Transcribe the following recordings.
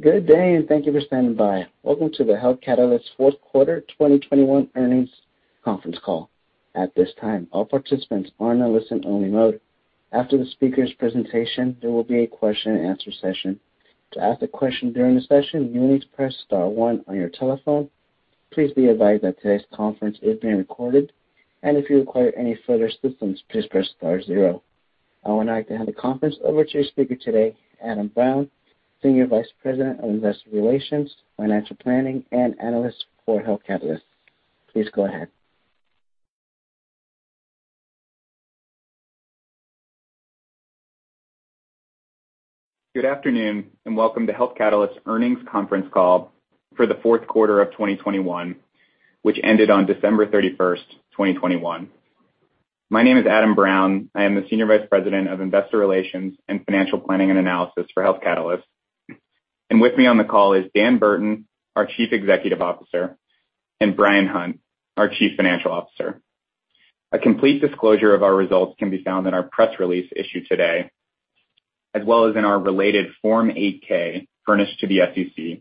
Good day, and thank you for standing by. Welcome to the Health Catalyst fourth quarter 2021 earnings conference call. At this time, all participants are in a listen-only mode. After the speaker's presentation, there will be a question and answer session. To ask a question during the session, you will need to press star one on your telephone. Please be advised that today's conference is being recorded, and if you require any further assistance, please press star zero. I would like to hand the conference over to your speaker today, Adam Brown, Senior Vice President of Investor Relations, Financial Planning and Analyst for Health Catalyst. Please go ahead. Good afternoon, and welcome to Health Catalyst's earnings conference call for the fourth quarter of 2021, which ended on December 31st, 2021. My name is Adam Brown. I am the Senior Vice President of Investor Relations and Financial Planning and Analysis for Health Catalyst. With me on the call is Dan Burton, our Chief Executive Officer, and Bryan Hunt, our Chief Financial Officer. A complete disclosure of our results can be found in our press release issued today, as well as in our related Form 8-K furnished to the SEC,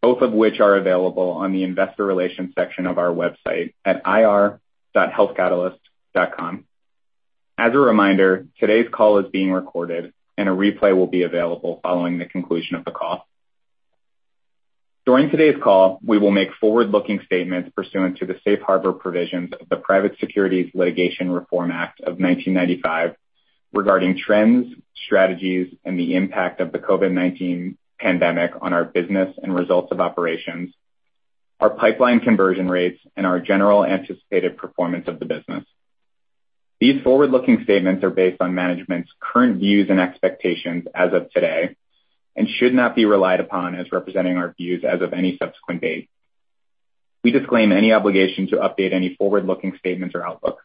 both of which are available on the investor relations section of our website at ir.healthcatalyst.com. As a reminder, today's call is being recorded, and a replay will be available following the conclusion of the call. During today's call, we will make forward-looking statements pursuant to the safe harbor provisions of the Private Securities Litigation Reform Act of 1995 regarding trends, strategies, and the impact of the COVID-19 pandemic on our business and results of operations, our pipeline conversion rates, and our general anticipated performance of the business. These forward-looking statements are based on management's current views and expectations as of today and should not be relied upon as representing our views as of any subsequent date. We disclaim any obligation to update any forward-looking statements or outlook.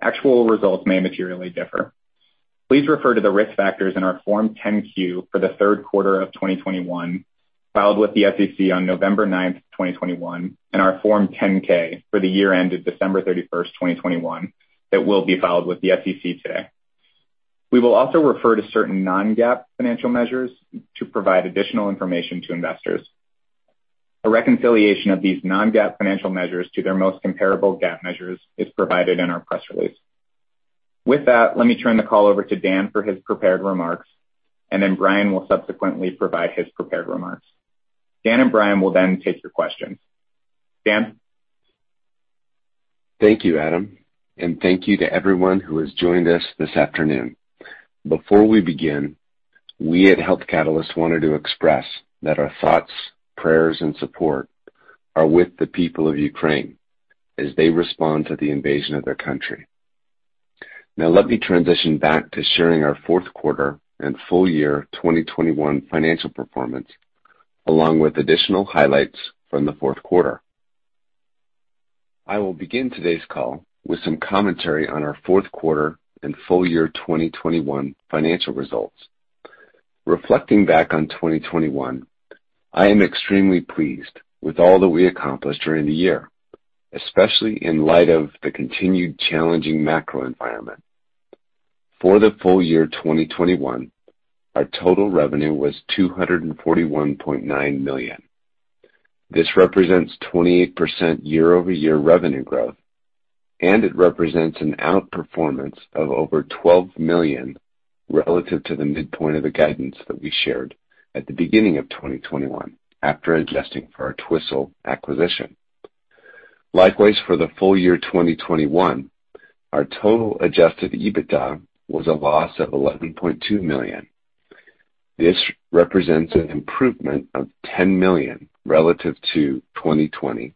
Actual results may materially differ. Please refer to the risk factors in our Form 10-Q for the third quarter of 2021, filed with the SEC on November 9th, 2021, and our Form 10-K for the year ended December 31st, 2021, that will be filed with the SEC today. We will also refer to certain non-GAAP financial measures to provide additional information to investors. A reconciliation of these non-GAAP financial measures to their most comparable GAAP measures is provided in our press release. With that, let me turn the call over to Dan for his prepared remarks, and then Bryan will subsequently provide his prepared remarks. Dan and Bryan will then take your questions. Dan? Thank you, Adam, and thank you to everyone who has joined us this afternoon. Before we begin, we at Health Catalyst wanted to express that our thoughts, prayers, and support are with the people of Ukraine as they respond to the invasion of their country. Now, let me transition back to sharing our fourth quarter and full year 2021 financial performance, along with additional highlights from the fourth quarter. I will begin today's call with some commentary on our fourth quarter and full year 2021 financial results. Reflecting back on 2021, I am extremely pleased with all that we accomplished during the year, especially in light of the continued challenging macro environment. For the full year 2021, our total revenue was $241.9 million. This represents 28% year-over-year revenue growth, and it represents an outperformance of over $12 million relative to the midpoint of the guidance that we shared at the beginning of 2021 after adjusting for our Twistle acquisition. Likewise, for the full year 2021, our total Adjusted EBITDA was a loss of $11.2 million. This represents an improvement of $10 million relative to 2020,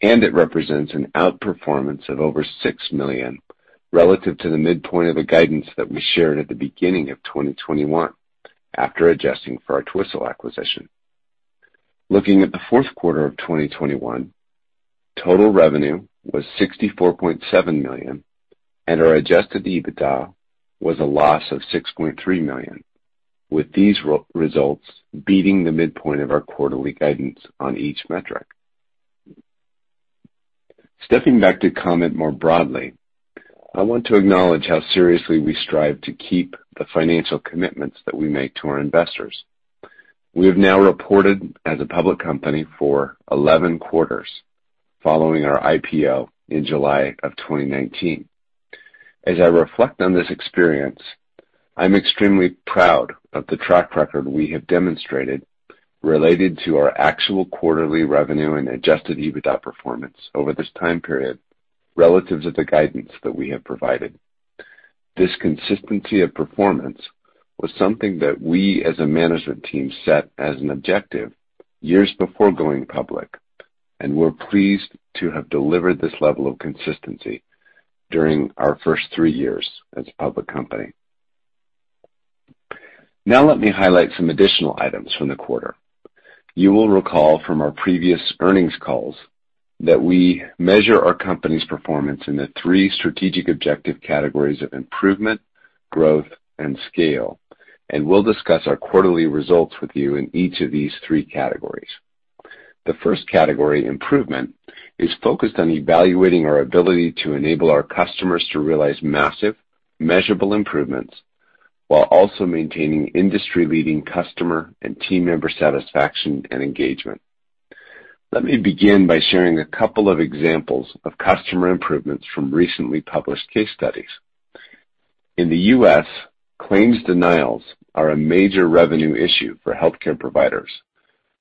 and it represents an outperformance of over $6 million relative to the midpoint of the guidance that we shared at the beginning of 2021 after adjusting for our Twistle acquisition. Looking at the fourth quarter of 2021, total revenue was $64.7 million, and our Adjusted EBITDA was a loss of $6.3 million, with these results beating the midpoint of our quarterly guidance on each metric. Stepping back to comment more broadly, I want to acknowledge how seriously we strive to keep the financial commitments that we make to our investors. We have now reported as a public company for 11 quarters following our IPO in July 2019. As I reflect on this experience, I'm extremely proud of the track record we have demonstrated related to our actual quarterly revenue and Adjusted EBITDA performance over this time period relative to the guidance that we have provided. This consistency of performance was something that we as a management team set as an objective years before going public, and we're pleased to have delivered this level of consistency during our first three years as a public company. Now let me highlight some additional items from the quarter. You will recall from our previous earnings calls that we measure our company's performance in the three strategic objective categories of improvement, growth, and scale, and we'll discuss our quarterly results with you in each of these three categories. The first category, improvement, is focused on evaluating our ability to enable our customers to realize massive, measurable improvements while also maintaining industry-leading customer and team member satisfaction and engagement. Let me begin by sharing a couple of examples of customer improvements from recently published case studies. In the U.S., claims denials are a major revenue issue for healthcare providers,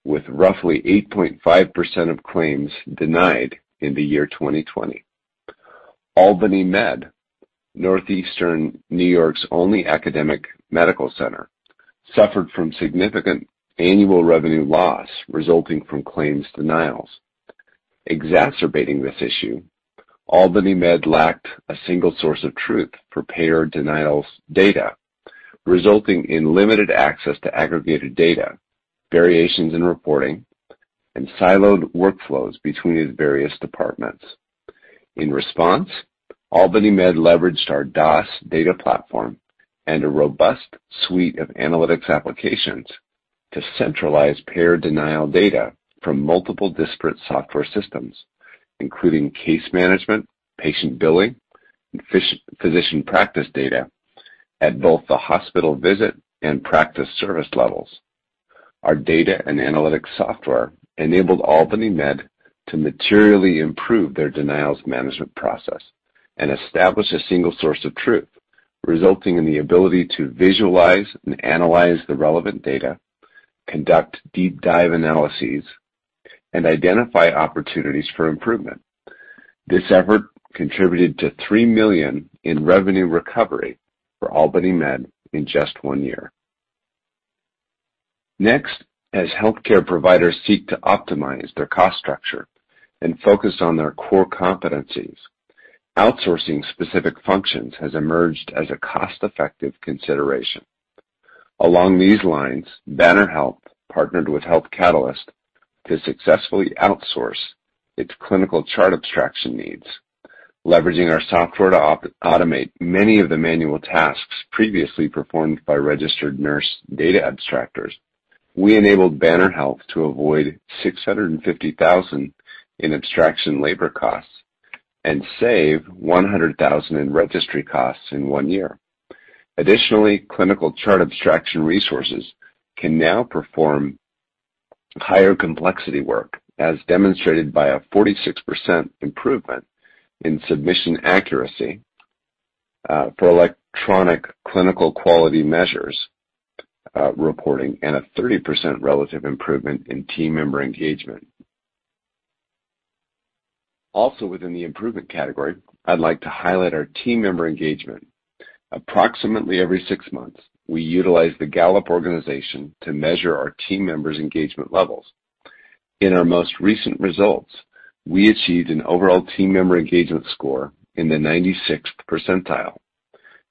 with roughly 8.5% of claims denied in the year 2020. Albany Med, northeastern New York's only academic medical center, suffered from significant annual revenue loss resulting from claims denials. Exacerbating this issue, Albany Med lacked a single source of truth for payer denials data, resulting in limited access to aggregated data, variations in reporting, and siloed workflows between its various departments. In response, Albany Med leveraged our DOS data platform and a robust suite of analytics applications to centralize payer denial data from multiple disparate software systems, including case management, patient billing, and physician practice data at both the hospital visit and practice service levels. Our data and analytics software enabled Albany Med to materially improve their denials management process and establish a single source of truth, resulting in the ability to visualize and analyze the relevant data, conduct deep dive analyses, and identify opportunities for improvement. This effort contributed to $3 million in revenue recovery for Albany Med in just one year. Next, as healthcare providers seek to optimize their cost structure and focus on their core competencies, outsourcing specific functions has emerged as a cost-effective consideration. Along these lines, Banner Health partnered with Health Catalyst to successfully outsource its clinical chart abstraction needs, leveraging our software to opt-automate many of the manual tasks previously performed by registered nurse data abstractors. We enabled Banner Health to avoid $650,000 in abstraction labor costs and save $100,000 in registry costs in one year. Additionally, clinical chart abstraction resources can now perform higher complexity work, as demonstrated by a 46% improvement in submission accuracy for electronic clinical quality measures reporting and a 30% relative improvement in team member engagement. Also within the improvement category, I'd like to highlight our team member engagement. Approximately every six months, we utilize the Gallup Organization to measure our team members' engagement levels. In our most recent results, we achieved an overall team member engagement score in the 96th percentile.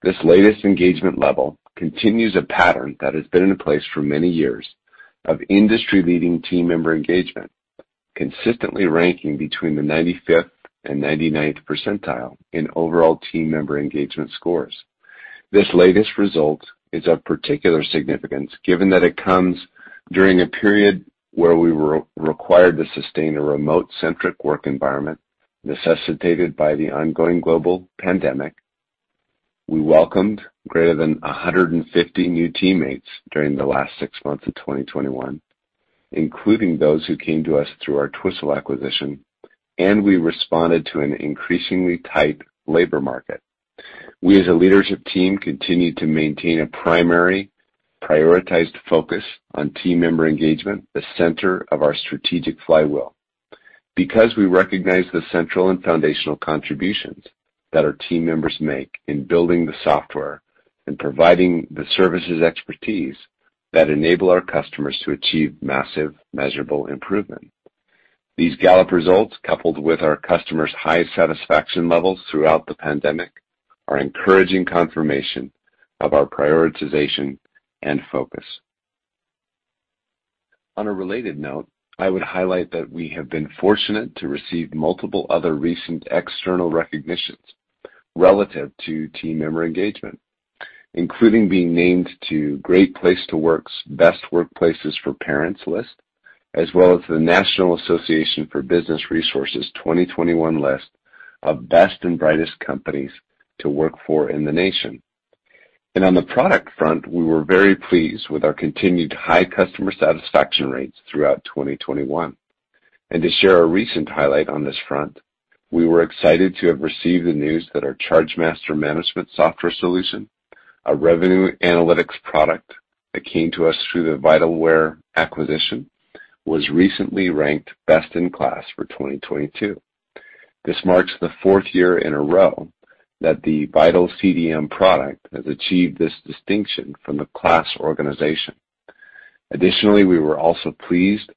This latest engagement level continues a pattern that has been in place for many years of industry-leading team member engagement, consistently ranking between the 95th and 99th percentile in overall team member engagement scores. This latest result is of particular significance, given that it comes during a period where we were required to sustain a remote-centric work environment necessitated by the ongoing global pandemic. We welcomed greater than 150 new teammates during the last six months of 2021, including those who came to us through our Twistle acquisition, and we responded to an increasingly tight labor market. We as a leadership team continued to maintain a primary prioritized focus on team member engagement, the center of our strategic flywheel. Because we recognize the central and foundational contributions that our team members make in building the software and providing the services expertise that enable our customers to achieve massive measurable improvement. These Gallup results, coupled with our customers' high satisfaction levels throughout the pandemic, are encouraging confirmation of our prioritization and focus. On a related note, I would highlight that we have been fortunate to receive multiple other recent external recognitions relative to team member engagement, including being named to Great Place to Work's Best Workplaces for Parents list, as well as the National Association for Business Resources's 2021 list of best and brightest companies to work for in the nation. On the product front, we were very pleased with our continued high customer satisfaction rates throughout 2021. To share a recent highlight on this front, we were excited to have received the news that our Charge Master Management Software solution, a revenue analytics product that came to us through the Vitalware acquisition, was recently ranked best in class for 2022. This marks the fourth year in a row that the VitalCDM product has achieved this distinction from the KLAS organization. Additionally, we were also pleased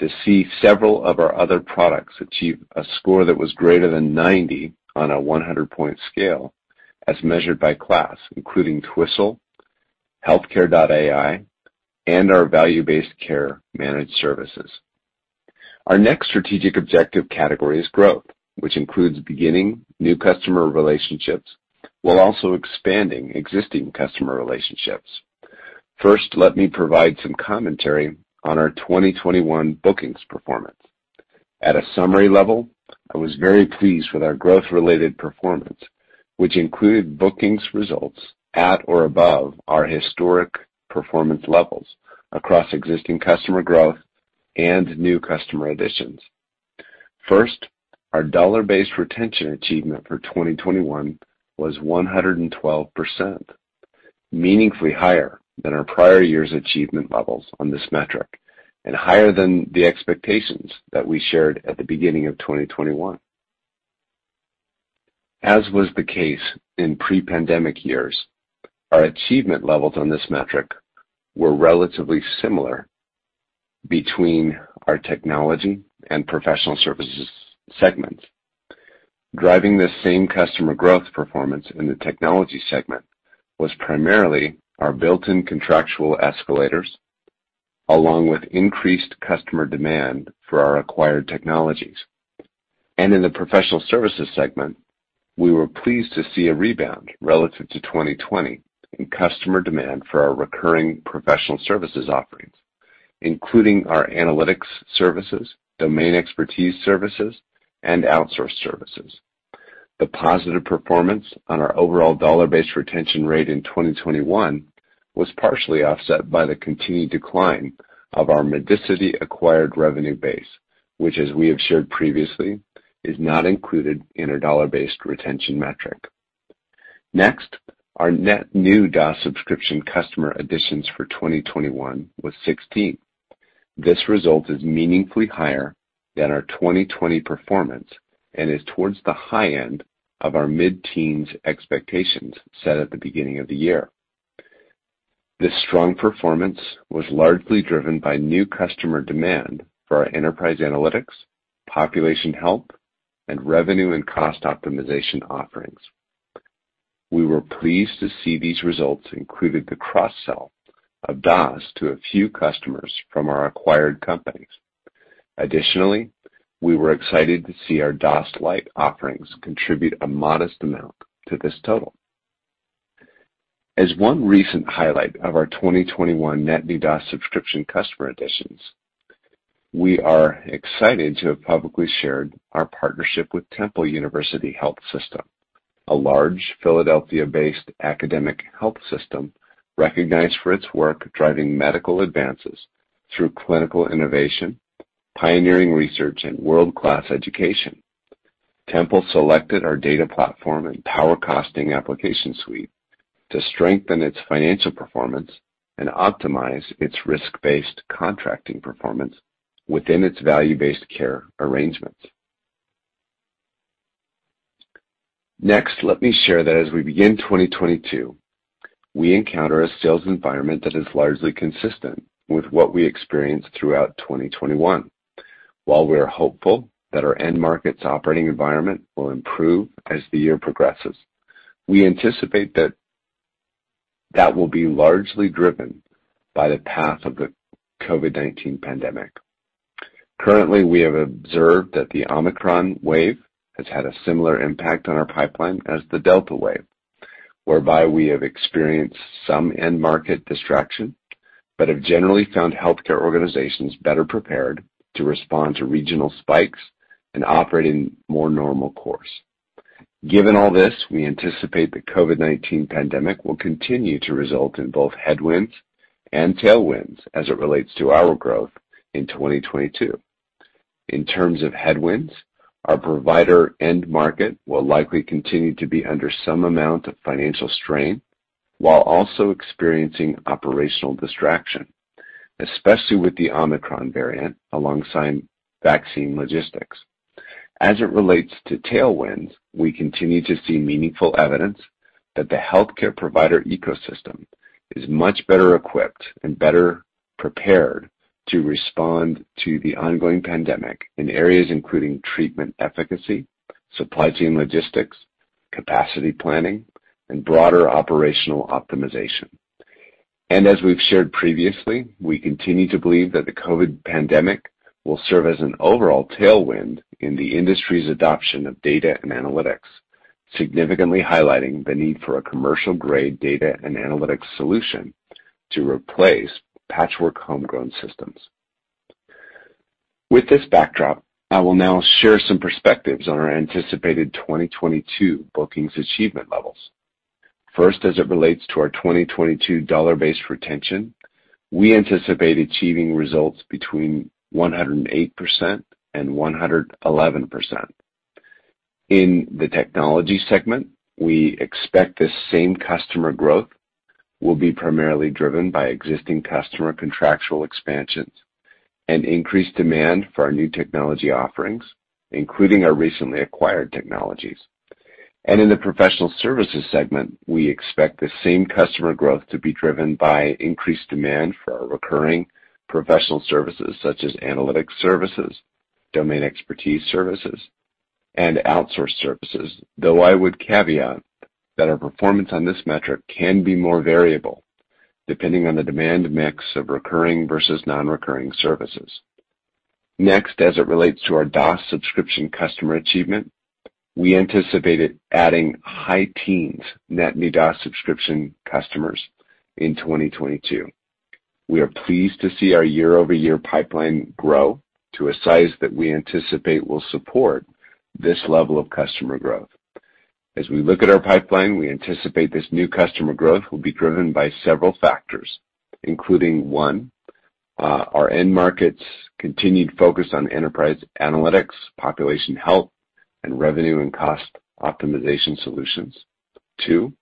to see several of our other products achieve a score that was greater than 90 on a 100 point scale as measured by KLAS, including Twistle, Healthcare.AI, and our value-based care managed services. Our next strategic objective category is growth, which includes beginning new customer relationships while also expanding existing customer relationships. First, let me provide some commentary on our 2021 bookings performance. At a summary level, I was very pleased with our growth-related performance, which included bookings results at or above our historic performance levels across existing customer growth and new customer additions. First, our Dollar-Based Retention achievement for 2021 was 112%, meaningfully higher than our prior year's achievement levels on this metric and higher than the expectations that we shared at the beginning of 2021. As was the case in pre-pandemic years, our achievement levels on this metric were relatively similar between our technology and professional services segments. Driving this same customer growth performance in the technology segment was primarily our built-in contractual escalators, along with increased customer demand for our acquired technologies. In the professional services segment, we were pleased to see a rebound relative to 2020 in customer demand for our recurring professional services offerings, including our analytics services, domain expertise services, and outsource services. The positive performance on our overall Dollar-Based Retention rate in 2021 was partially offset by the continued decline of our Medicity-acquired revenue base, which, as we have shared previously, is not included in our Dollar-Based Retention metric. Next, our net new DOS subscription customer additions for 2021 was 16. This result is meaningfully higher than our 2020 performance and is towards the high end of our mid-teens expectations set at the beginning of the year. This strong performance was largely driven by new customer demand for our enterprise analytics, population health, and revenue and cost optimization offerings. We were pleased to see these results included the cross-sell of DOS to a few customers from our acquired companies. Additionally, we were excited to see our DOS Lite offerings contribute a modest amount to this total. As one recent highlight of our 2021 net new DOS subscription customer additions, we are excited to have publicly shared our partnership with Temple University Health System, a large Philadelphia-based academic health system recognized for its work driving medical advances through clinical innovation, pioneering research, and world-class education. Temple selected our data platform and PowerCosting application suite to strengthen its financial performance and optimize its risk-based contracting performance within its value-based care arrangements. Next, let me share that as we begin 2022, we encounter a sales environment that is largely consistent with what we experienced throughout 2021. While we are hopeful that our end market's operating environment will improve as the year progresses, we anticipate that will be largely driven by the path of the COVID-19 pandemic. Currently, we have observed that the Omicron wave has had a similar impact on our pipeline as the Delta wave, whereby we have experienced some end-market distraction, but have generally found healthcare organizations better prepared to respond to regional spikes and operate in more normal course. Given all this, we anticipate the COVID-19 pandemic will continue to result in both headwinds and tailwinds as it relates to our growth in 2022. In terms of headwinds, our provider end market will likely continue to be under some amount of financial strain while also experiencing operational distraction, especially with the Omicron variant alongside vaccine logistics. As it relates to tailwinds, we continue to see meaningful evidence that the healthcare provider ecosystem is much better equipped and better prepared to respond to the ongoing pandemic in areas including treatment efficacy, supply chain logistics, capacity planning, and broader operational optimization. As we've shared previously, we continue to believe that the COVID pandemic will serve as an overall tailwind in the industry's adoption of data and analytics, significantly highlighting the need for a commercial-grade data and analytics solution to replace patchwork homegrown systems. With this backdrop, I will now share some perspectives on our anticipated 2022 bookings achievement levels. First, as it relates to our 2022 Dollar-Based Retention, we anticipate achieving results between 108% and 111%. In the technology segment, we expect this same customer growth will be primarily driven by existing customer contractual expansions and increased demand for our new technology offerings, including our recently acquired technologies. In the professional services segment, we expect the same customer growth to be driven by increased demand for our recurring professional services such as analytics services, domain expertise services, and outsource services. Though I would caveat that our performance on this metric can be more variable depending on the demand mix of recurring versus non-recurring services. Next, as it relates to our DOS subscription customer achievement, we anticipated adding high teens net new DOS subscription customers in 2022. We are pleased to see our year-over-year pipeline grow to a size that we anticipate will support this level of customer growth. As we look at our pipeline, we anticipate this new customer growth will be driven by several factors, including one, our end markets continued focus on enterprise analytics, population health, and revenue and cost optimization solutions. Two,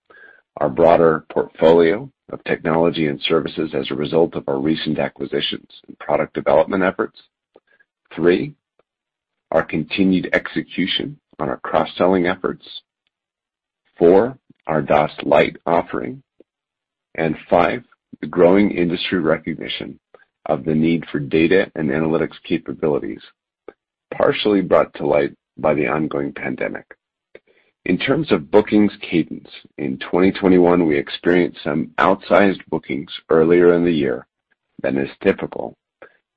our broader portfolio of technology and services as a result of our recent acquisitions and product development efforts. Three, our continued execution on our cross-selling efforts. Four, our DOS Lite offering. And five, the growing industry recognition of the need for data and analytics capabilities, partially brought to light by the ongoing pandemic. In terms of bookings cadence, in 2021, we experienced some outsized bookings earlier in the year than is typical,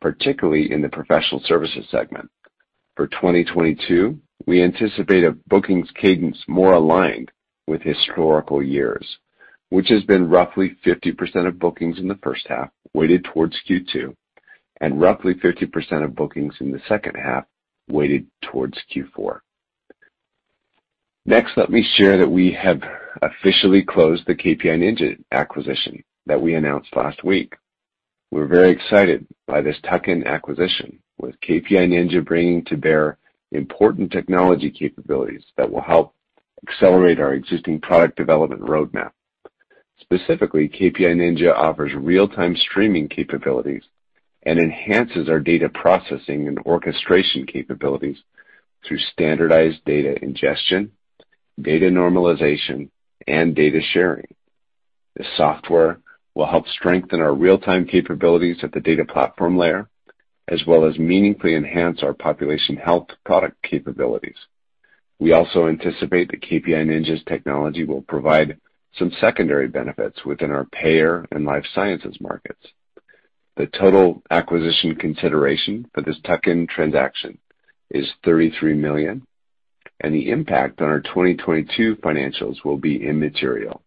particularly in the professional services segment. For 2022, we anticipate a bookings cadence more aligned with historical years, which has been roughly 50% of bookings in the first half, weighted towards Q2, and roughly 50% of bookings in the second half, weighted towards Q4. Next, let me share that we have officially closed the KPI Ninja acquisition that we announced last week. We're very excited by this tuck-in acquisition, with KPI Ninja bringing to bear important technology capabilities that will help accelerate our existing product development roadmap. Specifically, KPI Ninja offers real-time streaming capabilities and enhances our data processing and orchestration capabilities through standardized data ingestion, data normalization, and data sharing. This software will help strengthen our real-time capabilities at the data platform layer, as well as meaningfully enhance our population health product capabilities. We also anticipate that KPI Ninja's technology will provide some secondary benefits within our payer and life sciences markets. The total acquisition consideration for this tuck-in transaction is $33 million, and the impact on our 2022 financials will be immaterial.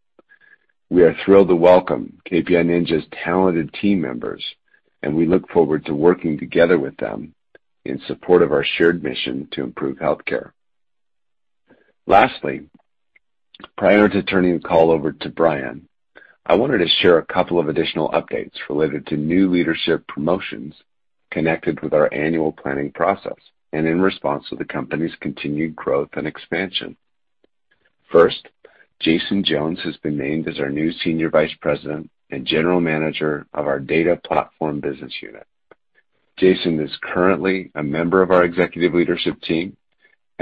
We are thrilled to welcome KPI Ninja's talented team members, and we look forward to working together with them in support of our shared mission to improve healthcare. Lastly, prior to turning the call over to Bryan, I wanted to share a couple of additional updates related to new leadership promotions connected with our annual planning process and in response to the company's continued growth and expansion. First, Jason Jones has been named as our new Senior Vice President and General Manager of our Data Platform Business Unit. Jason is currently a member of our executive leadership team and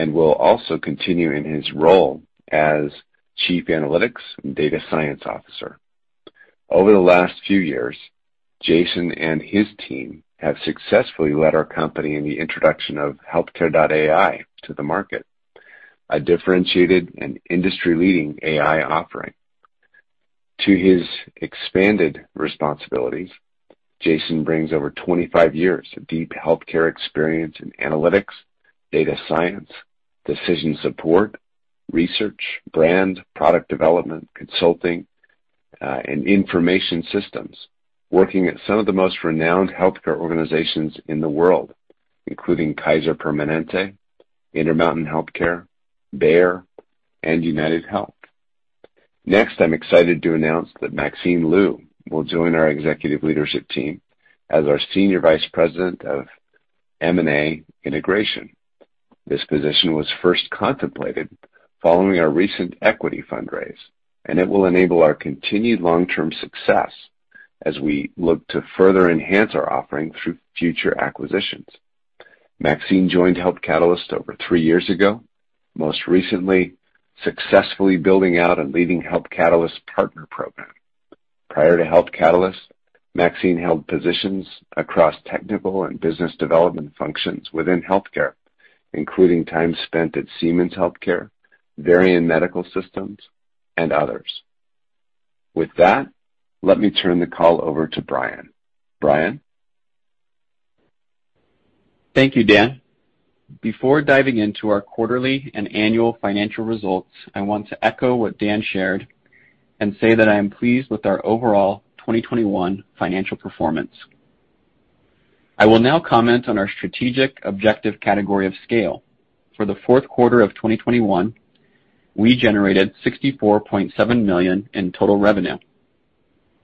will also continue in his role as Chief Analytics and Data Science Officer. Over the last few years, Jason and his team have successfully led our company in the introduction of Healthcare.AI to the market, a differentiated and industry-leading AI offering. To his expanded responsibilities, Jason brings over 25 years of deep healthcare experience in analytics, data science, decision support, research, brand, product development, consulting, and information systems, working at some of the most renowned healthcare organizations in the world, including Kaiser Permanente, Intermountain Healthcare, Bayer, and UnitedHealth. Next, I'm excited to announce that Maxine Lu will join our executive leadership team as our senior vice president of M&A integration. This position was first contemplated following our recent equity fundraise, and it will enable our continued long-term success as we look to further enhance our offering through future acquisitions. Maxine joined Health Catalyst over three years ago, most recently successfully building out and leading Health Catalyst partner program. Prior to Health Catalyst, Maxine held positions across technical and business development functions within healthcare, including time spent at Siemens Healthcare, Varian Medical Systems, and others. With that, let me turn the call over to Bryan. Bryan? Thank you, Dan. Before diving into our quarterly and annual financial results, I want to echo what Dan shared and say that I am pleased with our overall 2021 financial performance. I will now comment on our strategic objective category of scale. For the fourth quarter of 2021, we generated $64.7 million in total revenue.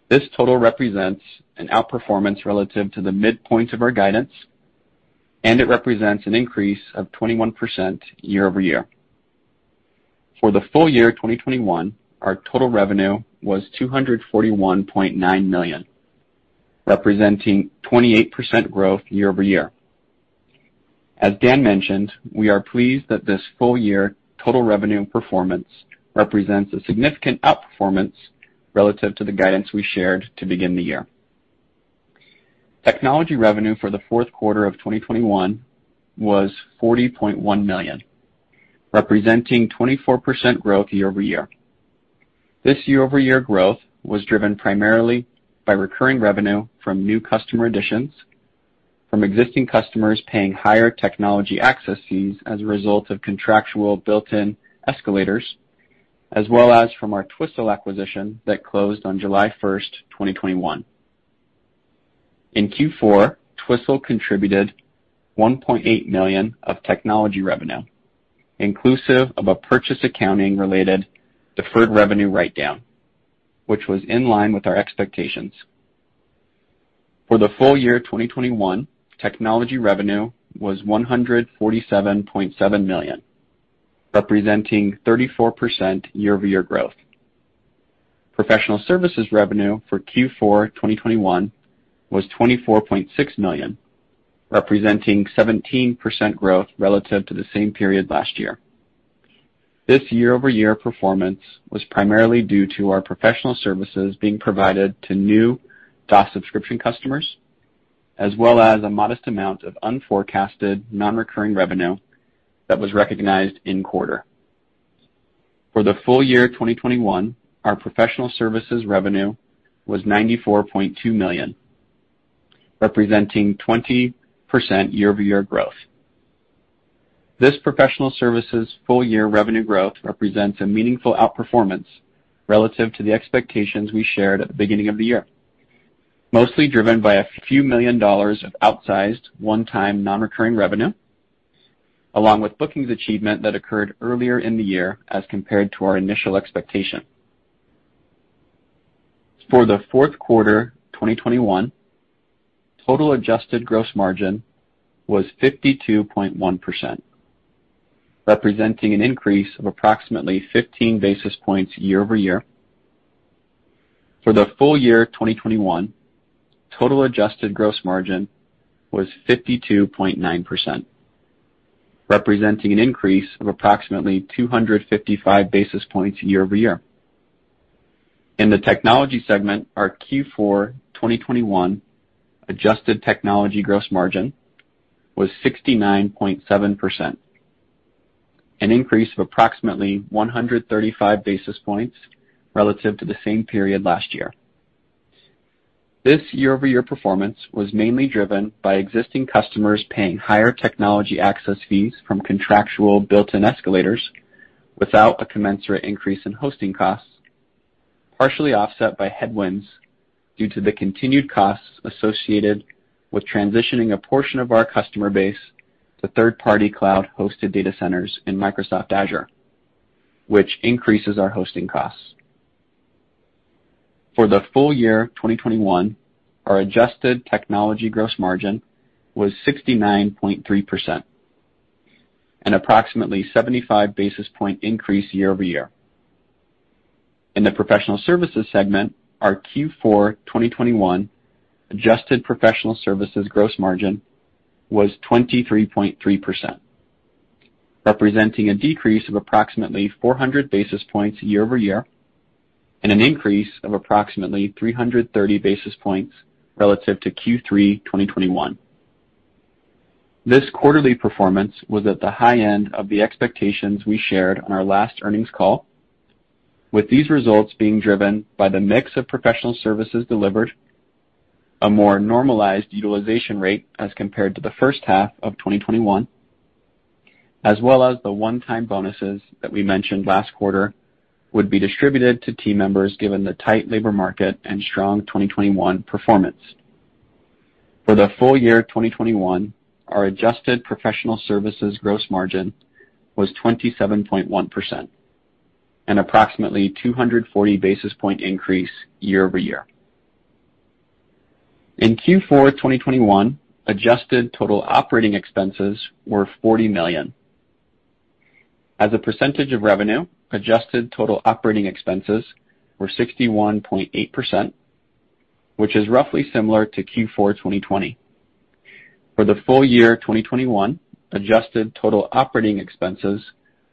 This total represents an outperformance relative to the midpoint of our guidance, and it represents an increase of 21% year-over-year. For the full year 2021, our total revenue was $241.9 million, representing 28% growth year-over-year. As Dan mentioned, we are pleased that this full year total revenue performance represents a significant outperformance relative to the guidance we shared to begin the year. Technology revenue for the fourth quarter of 2021 was $40.1 million, representing 24% growth year-over-year. This year-over-year growth was driven primarily by recurring revenue from new customer additions, from existing customers paying higher technology access fees as a result of contractual built-in escalators, as well as from our Twistle acquisition that closed on July 1st, 2021. In Q4, Twistle contributed $1.8 million of technology revenue, inclusive of a purchase accounting-related deferred revenue write-down, which was in line with our expectations. For the full year of 2021, technology revenue was $147.7 million, representing 34% year-over-year growth. Professional services revenue for Q4 2021 was $24.6 million, representing 17% growth relative to the same period last year. This year-over-year performance was primarily due to our professional services being provided to new DOS subscription customers, as well as a modest amount of unforecasted non-recurring revenue that was recognized in quarter. For the full year of 2021, our professional services revenue was $94.2 million, representing 20% year-over-year growth. This professional services full year revenue growth represents a meaningful outperformance relative to the expectations we shared at the beginning of the year, mostly driven by a few million dollars of outsized one-time non-recurring revenue, along with bookings achievement that occurred earlier in the year as compared to our initial expectation. For the fourth quarter 2021, total adjusted gross margin was 52.1%, representing an increase of approximately 15 basis points year-over-year. For the full year of 2021, total adjusted gross margin was 52.9%, representing an increase of approximately 255 basis points year-over-year. In the technology segment, our Q4 2021 adjusted technology gross margin was 69.7%, an increase of approximately 135 basis points relative to the same period last year. This year-over-year performance was mainly driven by existing customers paying higher technology access fees from contractual built-in escalators without a commensurate increase in hosting costs, partially offset by headwinds due to the continued costs associated with transitioning a portion of our customer base to third-party cloud-hosted data centers in Microsoft Azure, which increases our hosting costs. For the full year of 2021, our adjusted technology gross margin was 69.3%, an approximately 75 basis point increase year-over-year. In the professional services segment, our Q4 2021 adjusted professional services gross margin was 23.3%, representing a decrease of approximately 400 basis points year-over-year and an increase of approximately 330 basis points relative to Q3 2021. This quarterly performance was at the high end of the expectations we shared on our last earnings call, with these results being driven by the mix of professional services delivered, a more normalized utilization rate as compared to the first half of 2021, as well as the one-time bonuses that we mentioned last quarter would be distributed to team members given the tight labor market and strong 2021 performance. For the full year of 2021, our adjusted professional services gross margin was 27.1%, an approximately 240 basis point increase year-over-year. In Q4 2021, adjusted total operating expenses were $40 million. As a percentage of revenue, adjusted total operating expenses were 61.8%, which is roughly similar to Q4 2020. For the full year of 2021, adjusted total operating expenses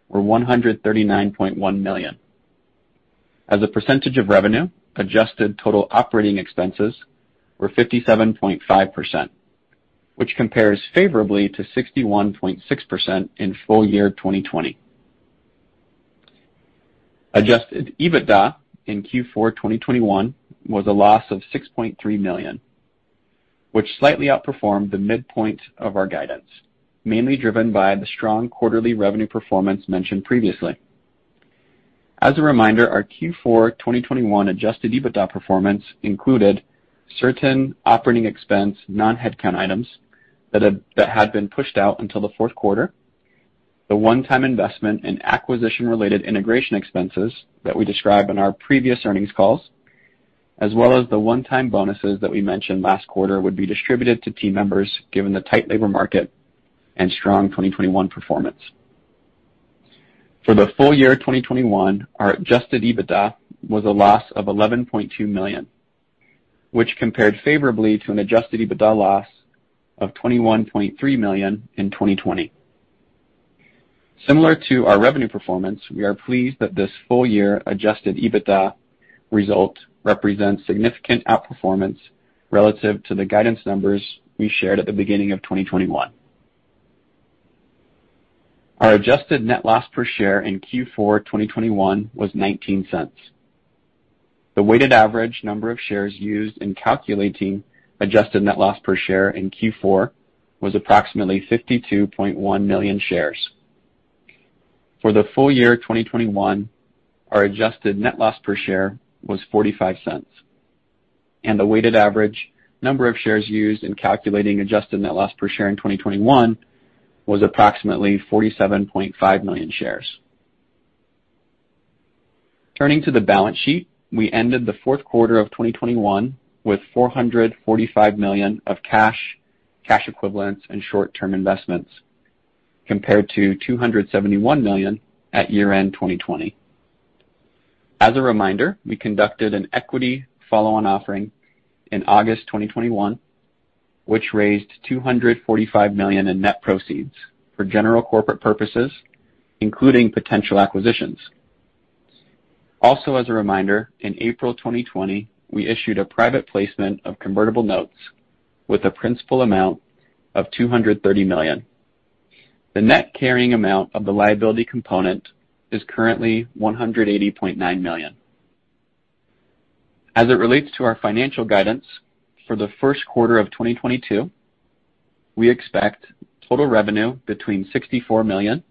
were $139.1 million. As a percentage of revenue, adjusted total operating expenses were 57.5%, which compares favorably to 61.6% in full year of 2020. Adjusted EBITDA in Q4 2021 was a loss of $6.3 million, which slightly outperformed the midpoint of our guidance, mainly driven by the strong quarterly revenue performance mentioned previously. As a reminder, our Q4 2021 adjusted EBITDA performance included certain operating expense non-headcount items that had been pushed out until the fourth quarter, the one-time investment in acquisition-related integration expenses that we described in our previous earnings calls, as well as the one-time bonuses that we mentioned last quarter would be distributed to team members given the tight labor market and strong 2021 performance. For the full year of 2021, our adjusted EBITDA was a loss of $11.2 million, which compared favorably to an adjusted EBITDA loss of $21.3 million in 2020. Similar to our revenue performance, we are pleased that this full year adjusted EBITDA result represents significant outperformance relative to the guidance numbers we shared at the beginning of 2021. Our adjusted net loss per share in Q4 2021 was $0.19. The weighted average number of shares used in calculating adjusted net loss per share in Q4 was approximately 52.1 million shares. For the full year 2021, our adjusted net loss per share was $0.45, and the weighted average number of shares used in calculating adjusted net loss per share in 2021 was approximately 47.5 million shares. Turning to the balance sheet, we ended the fourth quarter of 2021 with $445 million of cash equivalents, and short-term investments, compared to $271 million at year-end 2020. As a reminder, we conducted an equity follow-on offering in August 2021, which raised $245 million in net proceeds for general corporate purposes, including potential acquisitions. As a reminder, in April 2020, we issued a private placement of convertible notes with a principal amount of $230 million. The net carrying amount of the liability component is currently $180.9 million. As it relates to our financial guidance for the first quarter of 2022, we expect total revenue between $64 million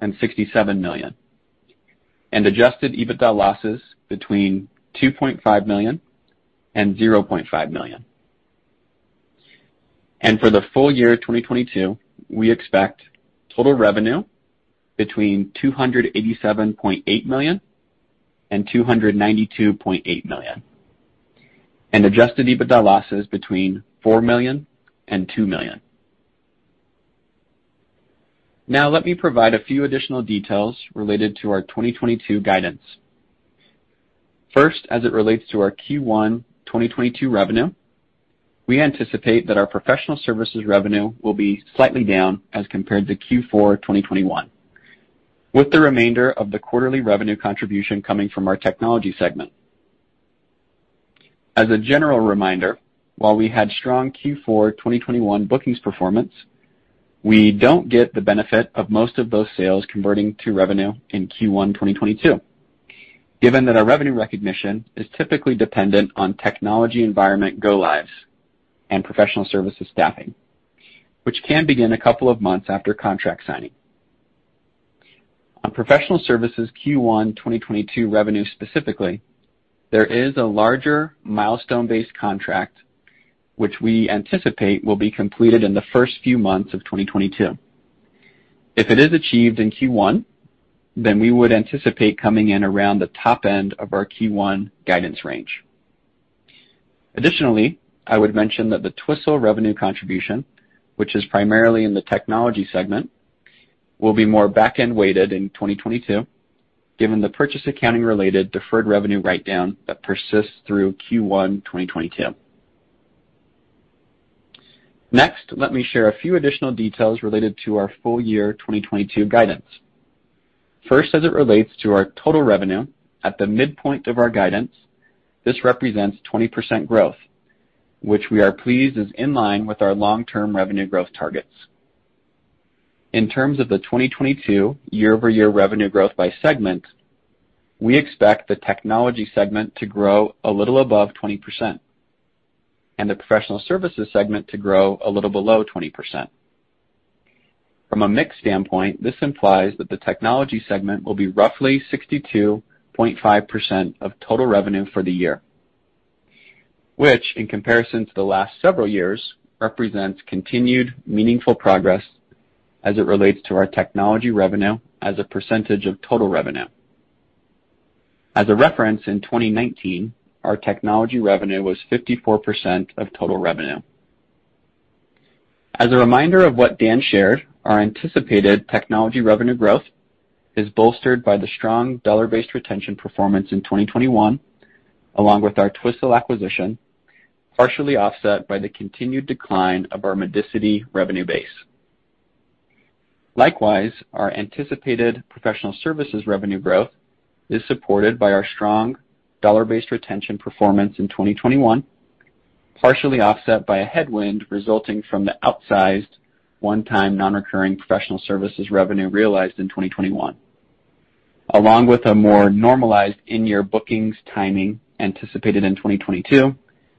and $67 million and Adjusted EBITDA losses between $2.5 million and $0.5 million. For the full year 2022, we expect total revenue between $287.8 million and $292.8 million and Adjusted EBITDA losses between $4 million and $2 million. Now let me provide a few additional details related to our 2022 guidance. First, as it relates to our Q1 2022 revenue, we anticipate that our professional services revenue will be slightly down as compared to Q4 2021, with the remainder of the quarterly revenue contribution coming from our technology segment. As a general reminder, while we had strong Q4 2021 bookings performance, we don't get the benefit of most of those sales converting to revenue in Q1 2022, given that our revenue recognition is typically dependent on technology environment go lives and professional services staffing, which can begin a couple of months after contract signing. On professional services Q1 2022 revenue specifically, there is a larger milestone-based contract which we anticipate will be completed in the first few months of 2022. If it is achieved in Q1, then we would anticipate coming in around the top end of our Q1 guidance range. Additionally, I would mention that the Twistle revenue contribution, which is primarily in the technology segment, will be more back-end weighted in 2022, given the purchase accounting-related deferred revenue write-down that persists through Q1 2022. Next, let me share a few additional details related to our full year 2022 guidance. First, as it relates to our total revenue at the midpoint of our guidance, this represents 20% growth, which we are pleased is in line with our long-term revenue growth targets. In terms of the 2022 year-over-year revenue growth by segment, we expect the technology segment to grow a little above 20% and the professional services segment to grow a little below 20%. From a mix standpoint, this implies that the technology segment will be roughly 62.5% of total revenue for the year, which, in comparison to the last several years, represents continued meaningful progress as it relates to our technology revenue as a percentage of total revenue. As a reference, in 2019, our technology revenue was 54% of total revenue. As a reminder of what Dan shared, our anticipated technology revenue growth is bolstered by the strong dollar-based retention performance in 2021, along with our Twistle acquisition, partially offset by the continued decline of our Medicity revenue base. Likewise, our anticipated Professional Services revenue growth is supported by our strong Dollar-Based Retention performance in 2021, partially offset by a headwind resulting from the outsized one-time non-recurring Professional Services revenue realized in 2021, along with a more normalized in-year bookings timing anticipated in 2022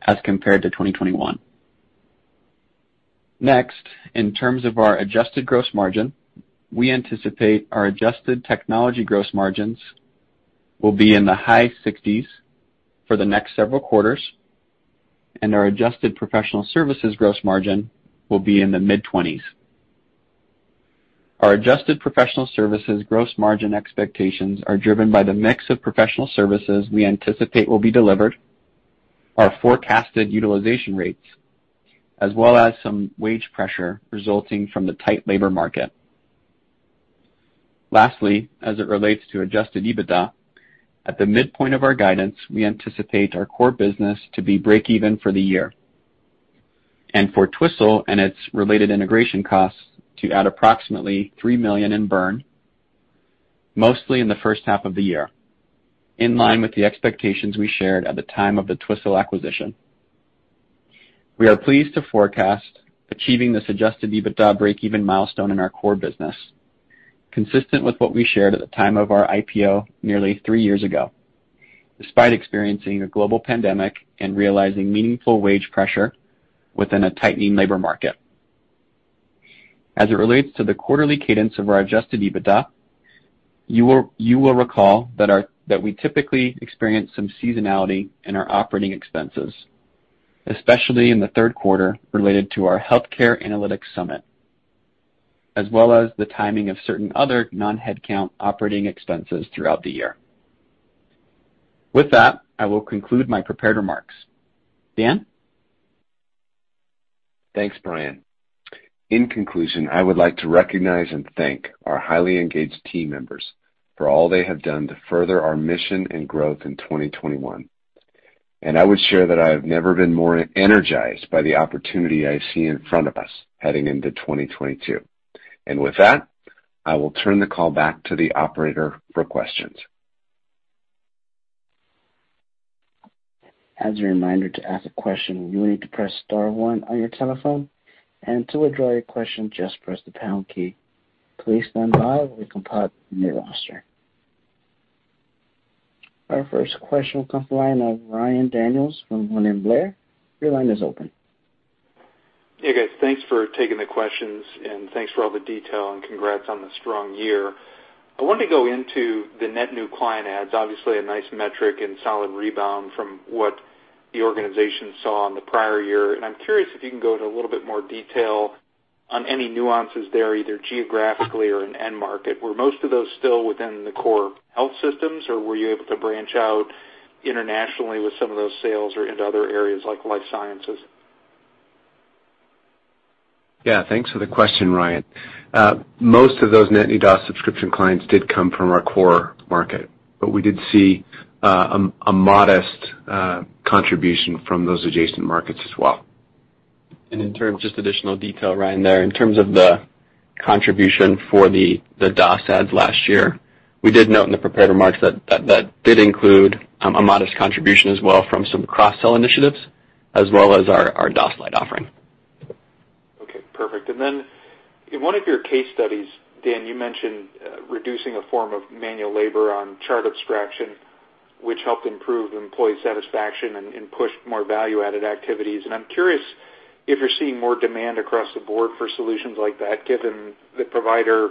as compared to 2021. Next, in terms of our adjusted gross margin, we anticipate our adjusted technology gross margins will be in the high 60s% for the next several quarters, and our adjusted Professional Services gross margin will be in the mid-20s%. Our adjusted Professional Services gross margin expectations are driven by the mix of Professional Services we anticipate will be delivered, our forecasted utilization rates, as well as some wage pressure resulting from the tight labor market. Lastly, as it relates to Adjusted EBITDA, at the midpoint of our guidance, we anticipate our core business to be breakeven for the year and for Twistle and its related integration costs to add approximately $3 million in burn, mostly in the first half of the year, in line with the expectations we shared at the time of the Twistle acquisition. We are pleased to forecast achieving this Adjusted EBITDA breakeven milestone in our core business, consistent with what we shared at the time of our IPO nearly three years ago, despite experiencing a global pandemic and realizing meaningful wage pressure within a tightening labor market. As it relates to the quarterly cadence of our adjusted EBITDA, you will recall that we typically experience some seasonality in our operating expenses, especially in the third quarter related to our Healthcare Analytics Summit, as well as the timing of certain other non-headcount operating expenses throughout the year. With that, I will conclude my prepared remarks. Dan? Thanks, Bryan. In conclusion, I would like to recognize and thank our highly engaged team members for all they have done to further our mission and growth in 2021. I would share that I have never been more energized by the opportunity I see in front of us heading into 2022. With that, I will turn the call back to the operator for questions. As a reminder, to ask a question, you will need to press star one on your telephone, and to withdraw your question, just press the pound key. Please stand by while we compile the roster. Our first question will come from the line of Ryan Daniels from William Blair. Your line is open. Hey, guys. Thanks for taking the questions and thanks for all the detail and congrats on the strong year. I wanted to go into the net new client adds. Obviously a nice metric and solid rebound from what the organization saw in the prior year. I'm curious if you can go into a little bit more detail on any nuances there, either geographically or in end market. Were most of those still within the core health systems, or were you able to branch out internationally with some of those sales or into other areas like life sciences? Yeah. Thanks for the question, Ryan. Most of those net new DOS subscription clients did come from our core market. We did see a modest contribution from those adjacent markets as well. Just additional detail, Ryan, there. In terms of the contribution for the DOS adds last year, we did note in the prepared remarks that did include a modest contribution as well from some cross-sell initiatives as well as our DOS Lite offering. Okay. Perfect. In one of your case studies, Dan, you mentioned reducing a form of manual labor on chart abstraction, which helped improve employee satisfaction and pushed more value-added activities. I'm curious if you're seeing more demand across the board for solutions like that, given the provider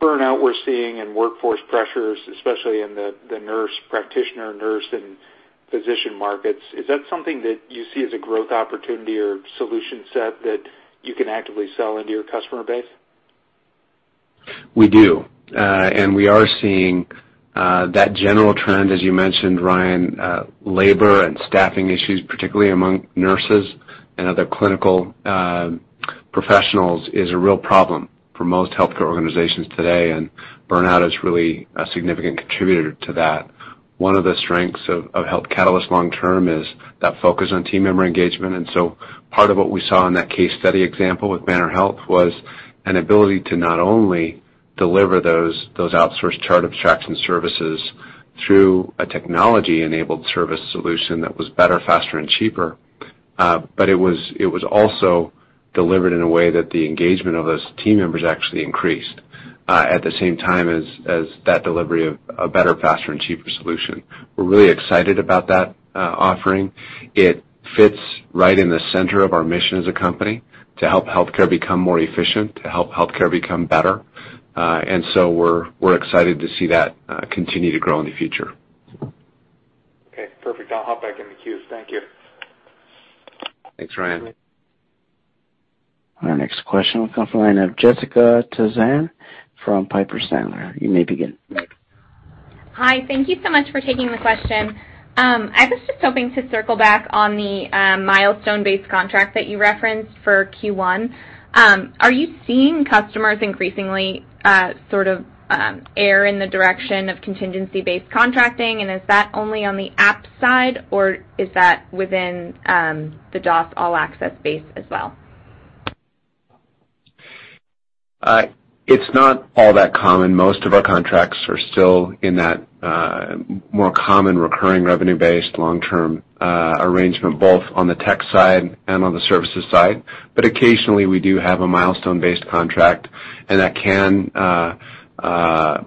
burnout we're seeing and workforce pressures, especially in the nurse practitioner, nurse and physician markets. Is that something that you see as a growth opportunity or solution set that you can actively sell into your customer base? We do. We are seeing that general trend, as you mentioned, Ryan. Labor and staffing issues, particularly among nurses and other clinical professionals, is a real problem for most healthcare organizations today, and burnout is really a significant contributor to that. One of the strengths of Health Catalyst long term is that focus on team member engagement. Part of what we saw in that case study example with Banner Health was an ability to not only deliver those outsourced chart abstraction services through a technology-enabled service solution that was better, faster and cheaper, but it was also delivered in a way that the engagement of those team members actually increased at the same time as that delivery of a better, faster and cheaper solution. We're really excited about that offering. It fits right in the center of our mission as a company to help healthcare become more efficient, to help healthcare become better. We're excited to see that continue to grow in the future. Okay. Perfect. I'll hop back in the queue. Thank you. Thanks, Ryan. Our next question will come from the line of Jessica Tassan from Piper Sandler. You may begin. Hi. Thank you so much for taking the question. I was just hoping to circle back on the milestone-based contract that you referenced for Q1. Are you seeing customers increasingly sort of err in the direction of contingency-based contracting? Is that only on the app side or is that within the DOS All Access base as well? It's not all that common. Most of our contracts are still in that more common recurring revenue-based long-term arrangement, both on the tech side and on the services side. Occasionally we do have a milestone-based contract and that can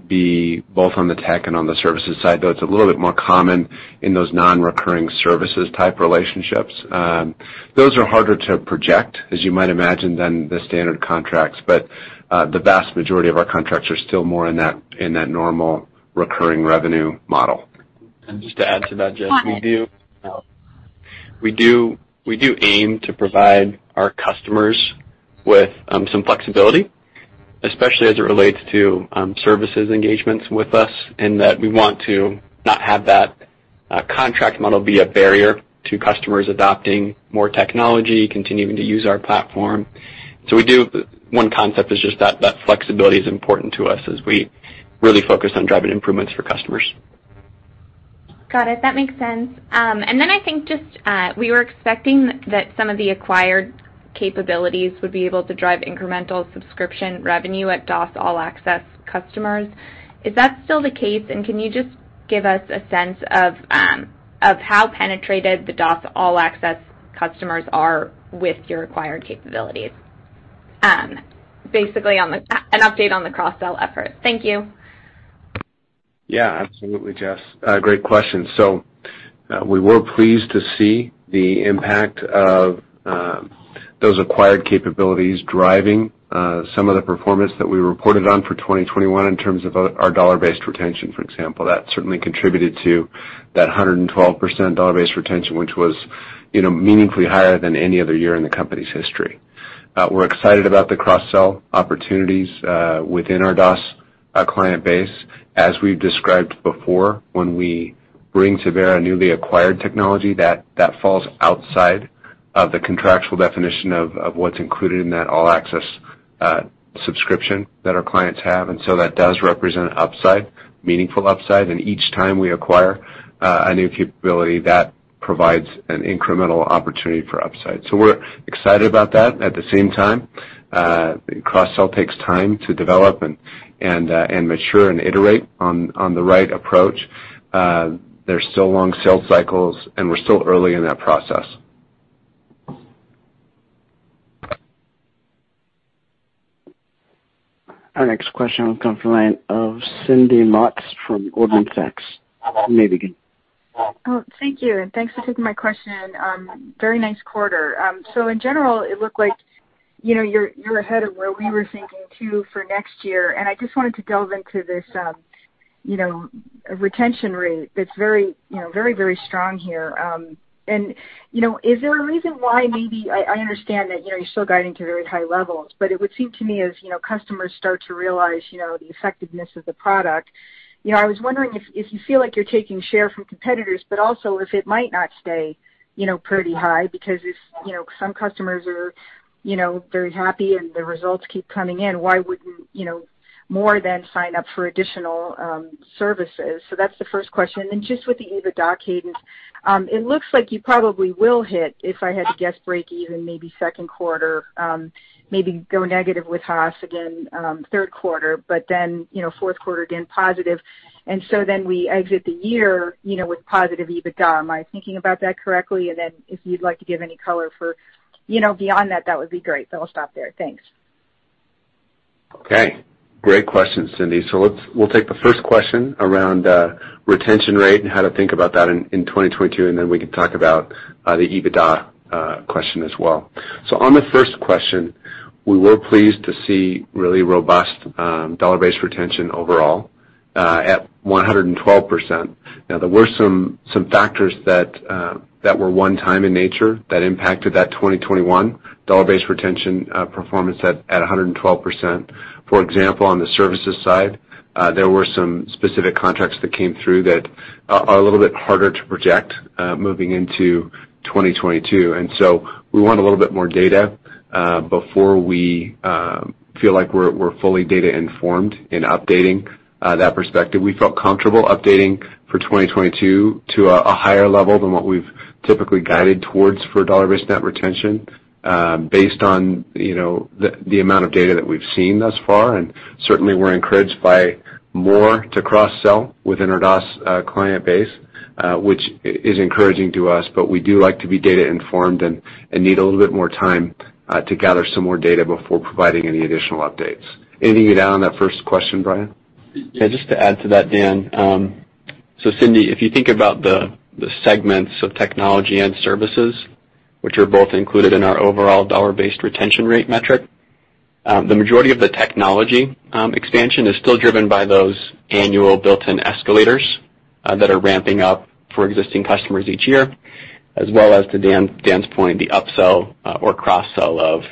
be both on the tech and on the services side, though it's a little bit more common in those non-recurring services type relationships. Those are harder to project, as you might imagine, than the standard contracts. The vast majority of our contracts are still more in that normal recurring revenue model. Just to add to that, Jess, we do aim to provide our customers with some flexibility, especially as it relates to services engagements with us in that we want to not have that contract model be a barrier to customers adopting more technology, continuing to use our platform. One concept is just that flexibility is important to us as we really focus on driving improvements for customers. Got it. That makes sense. I think just we were expecting that some of the acquired capabilities would be able to drive incremental subscription revenue at DOS All Access customers. Is that still the case? Can you just give us a sense of how penetrated the DOS All Access customers are with your acquired capabilities? Basically, an update on the cross-sell effort. Thank you. Yeah, absolutely, Jess. Great question. We were pleased to see the impact of those acquired capabilities driving some of the performance that we reported on for 2021 in terms of our Dollar-Based Retention, for example. That certainly contributed to that 112% Dollar-Based Retention, which was, you know, meaningfully higher than any other year in the company's history. We're excited about the cross-sell opportunities within our DOS client base. As we've described before, when we bring to bear a newly acquired technology that falls outside of the contractual definition of what's included in that All Access subscription that our clients have. That does represent upside, meaningful upside. Each time we acquire a new capability, that provides an incremental opportunity for upside. We're excited about that. At the same time, cross-sell takes time to develop and mature and iterate on the right approach. There's still long sales cycles, and we're still early in that process. Our next question will come from the line of Cindy Motz from Goldman Sachs. You may begin. Oh, thank you. Thanks for taking my question. Very nice quarter. So in general, it looked like, you know, you're ahead of where we were thinking, too, for next year. I just wanted to delve into this, you know, retention rate that's very strong here. Is there a reason why maybe I understand that, you know, you're still guiding to very high levels, but it would seem to me as, you know, customers start to realize, you know, the effectiveness of the product. You know, I was wondering if you feel like you're taking share from competitors, but also if it might not stay, you know, pretty high, because if, you know, some customers are, you know, very happy and the results keep coming in, why wouldn't, you know, more than sign up for additional services? That's the first question. Then just with the EBITDA cadence, it looks like you probably will hit, if I had to guess, breakeven maybe second quarter, maybe go negative with HAS again, third quarter, but then, you know, fourth quarter again, positive. Then we exit the year, you know, with positive EBITDA. Am I thinking about that correctly? Then if you'd like to give any color for, you know, beyond that would be great. I'll stop there. Thanks. Great question, Cindy. Let's take the first question around retention rate and how to think about that in 2022, and then we can talk about the EBITDA question as well. On the first question, we were pleased to see really robust dollar-based retention overall at 112%. Now, there were some factors that were one time in nature that impacted that 2021 dollar-based retention performance at 112%. For example, on the services side, there were some specific contracts that came through that are a little bit harder to project moving into 2022. We want a little bit more data before we feel like we're fully data informed in updating that perspective. We felt comfortable updating for 2022 to a higher level than what we've typically guided towards for dollar-based net retention, based on, you know, the amount of data that we've seen thus far. Certainly we're encouraged by more to cross-sell within our DOS client base, which is encouraging to us. We do like to be data informed and need a little bit more time to gather some more data before providing any additional updates. Anything to add on that first question, Bryan? Yeah, just to add to that, Dan. So Cindy, if you think about the segments of technology and services, which are both included in our overall Dollar-Based Retention rate metric, the majority of the technology expansion is still driven by those annual built-in escalators that are ramping up for existing customers each year, as well as to Dan's point, the upsell or cross-sell of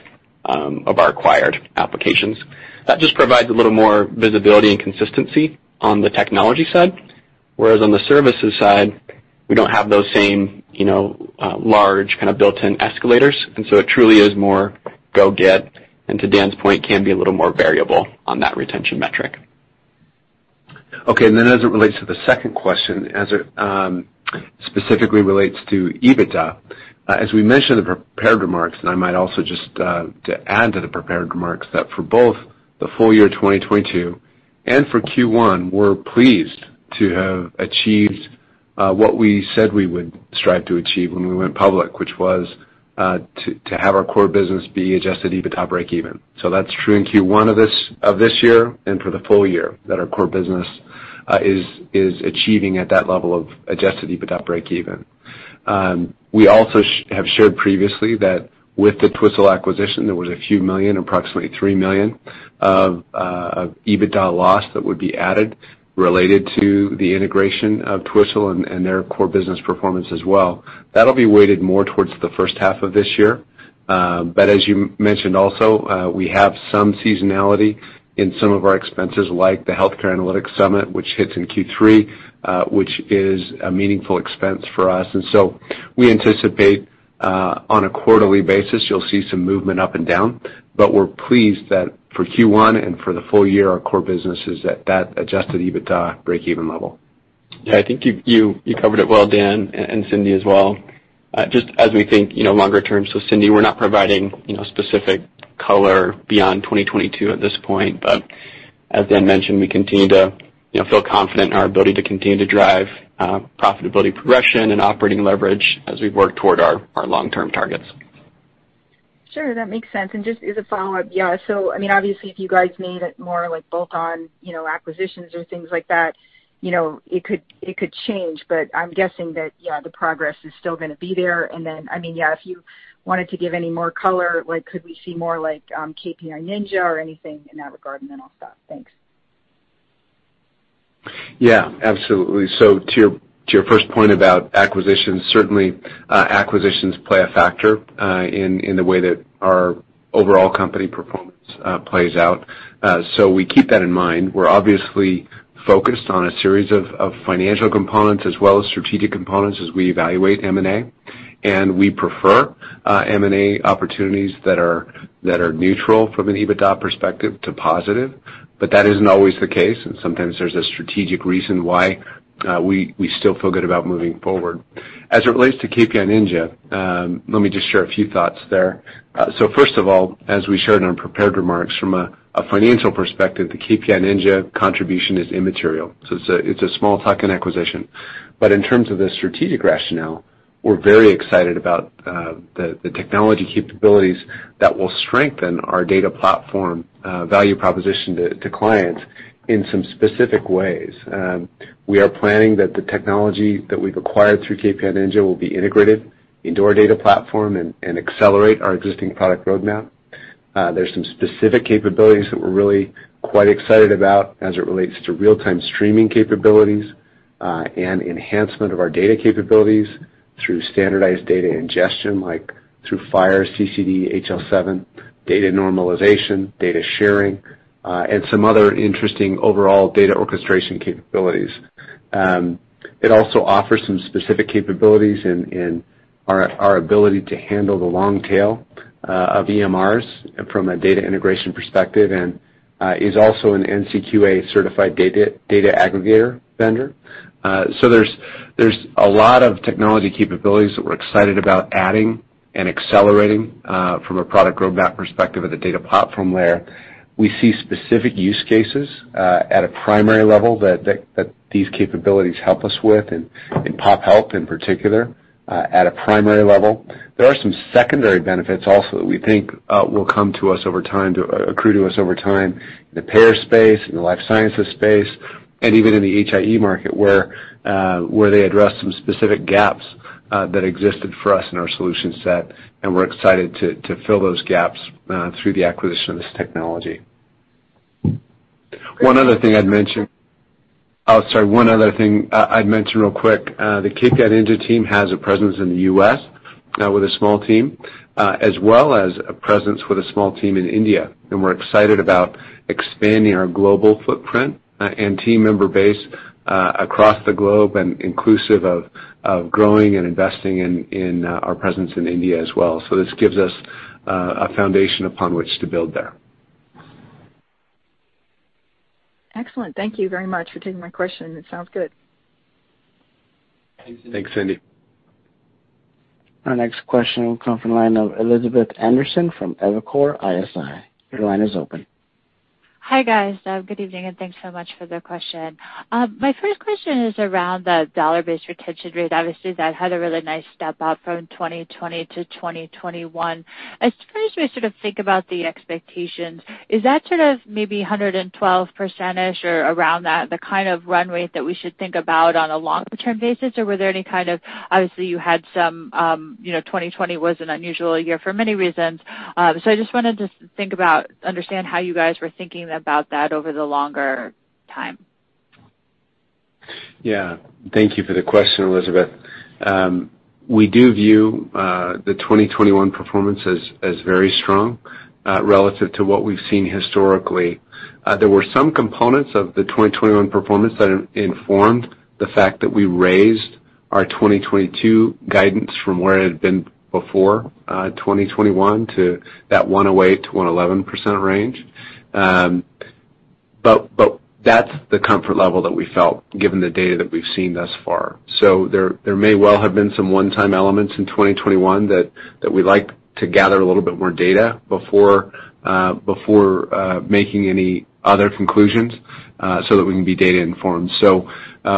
our acquired applications. That just provides a little more visibility and consistency on the technology side. Whereas on the services side, we don't have those same large kind of built-in escalators, and so it truly is more go get, and to Dan's point, can be a little more variable on that retention metric. Okay. As it relates to the second question, specifically relates to EBITDA, as we mentioned in the prepared remarks, and I might also just to add to the prepared remarks, that for both the full year 2022 and for Q1, we're pleased to have achieved what we said we would strive to achieve when we went public, which was to have our core business be Adjusted EBITDA breakeven. That's true in Q1 of this year and for the full year that our core business is achieving at that level of Adjusted EBITDA breakeven. We also have shared previously that with the Twistle acquisition, there was a few million, approximately $3 million of EBITDA loss that would be added related to the integration of Twistle and their core business performance as well. That'll be weighted more towards the first half of this year. As you mentioned also, we have some seasonality in some of our expenses, like the Healthcare Analytics Summit, which hits in Q3, which is a meaningful expense for us. We anticipate on a quarterly basis, you'll see some movement up and down, but we're pleased that for Q1 and for the full year, our core business is at that Adjusted EBITDA breakeven level. Yeah, I think you covered it well, Dan, and Cindy as well. Just as we think, you know, longer term, so Cindy, we're not providing, you know, specific color beyond 2022 at this point. As Dan mentioned, we continue to, you know, feel confident in our ability to continue to drive profitability progression and operating leverage as we work toward our long-term targets. Sure, that makes sense. Just as a follow-up, yeah, so I mean, obviously if you guys made it more like bolt on, you know, acquisitions or things like that, you know, it could change. I'm guessing that, yeah, the progress is still gonna be there. I mean, yeah, if you wanted to give any more color, like could we see more like, KPI Ninja or anything in that regard? I'll stop. Thanks. Yeah, absolutely. To your first point about acquisitions, certainly, acquisitions play a factor in the way that our overall company performance plays out. We keep that in mind. We're obviously focused on a series of financial components as well as strategic components as we evaluate M&A. We prefer M&A opportunities that are neutral from an EBITDA perspective to positive. That isn't always the case, and sometimes there's a strategic reason why we still feel good about moving forward. As it relates to KPI Ninja, let me just share a few thoughts there. First of all, as we shared in our prepared remarks, from a financial perspective, the KPI Ninja contribution is immaterial. It's a small tuck-in acquisition. In terms of the strategic rationale, we're very excited about the technology capabilities that will strengthen our data platform value proposition to clients in some specific ways. We are planning that the technology that we've acquired through KPI Ninja will be integrated into our data platform and accelerate our existing product roadmap. There's some specific capabilities that we're really quite excited about as it relates to real-time streaming capabilities and enhancement of our data capabilities through standardized data ingestion, like through FHIR, CCD, HL7 data normalization, data sharing and some other interesting overall data orchestration capabilities. It also offers some specific capabilities in our ability to handle the long tail of EMRs from a data integration perspective, and is also an NCQA-certified data aggregator vendor. There's a lot of technology capabilities that we're excited about adding and accelerating, from a product roadmap perspective of the data platform where we see specific use cases, at a primary level that these capabilities help us with, in pop health, in particular, at a primary level. There are some secondary benefits also that we think will come to us over time accrue to us over time in the payer space, in the life sciences space, and even in the HIE market where they address some specific gaps that existed for us in our solution set, and we're excited to fill those gaps through the acquisition of this technology. One other thing I'd mention. Oh, sorry. One other thing I'd mention real quick, the KPI Ninja team has a presence in the U.S. with a small team, as well as a presence with a small team in India. We're excited about expanding our global footprint and team member base across the globe and inclusive of growing and investing in our presence in India as well. This gives us a foundation upon which to build there. Excellent. Thank you very much for taking my question. It sounds good. Thanks, Cindy. Our next question will come from the line of Elizabeth Anderson from Evercore ISI. Your line is open. Hi, guys. Good evening, and thanks so much for the question. My first question is around the Dollar-Based Retention rate. Obviously, that had a really nice step-up from 2020 to 2021. As far as we sort of think about the expectations, is that sort of maybe 112%-ish or around that, the kind of run rate that we should think about on a longer term basis? Or were there any kind of. Obviously, you had some, you know, 2020 was an unusual year for many reasons. So I just wanted to think about, understand how you guys were thinking about that over the longer time. Yeah. Thank you for the question, Elizabeth. We do view the 2021 performance as very strong relative to what we've seen historically. There were some components of the 2021 performance that informed the fact that we raised our 2022 guidance from where it had been before 2021 to that 108%-111% range. But that's the comfort level that we felt given the data that we've seen thus far. There may well have been some one-time elements in 2021 that we'd like to gather a little bit more data before making any other conclusions so that we can be data informed.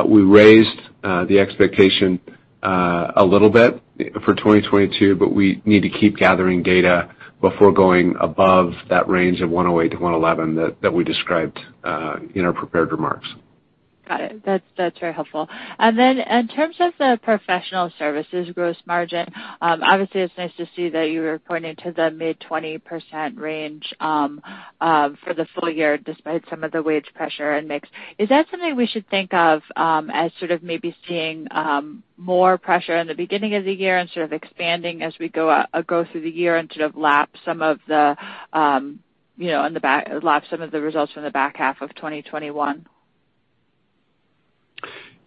We raised the expectation a little bit for 2022, but we need to keep gathering data before going above that range of 108-111 that we described in our prepared remarks. Got it. That's very helpful. In terms of the professional services gross margin, obviously it's nice to see that you were pointing to the mid-20% range for the full year despite some of the wage pressure and mix. Is that something we should think of as sort of maybe seeing more pressure in the beginning of the year and sort of expanding as we go through the year and sort of lap some of the, you know, results from the back half of 2021?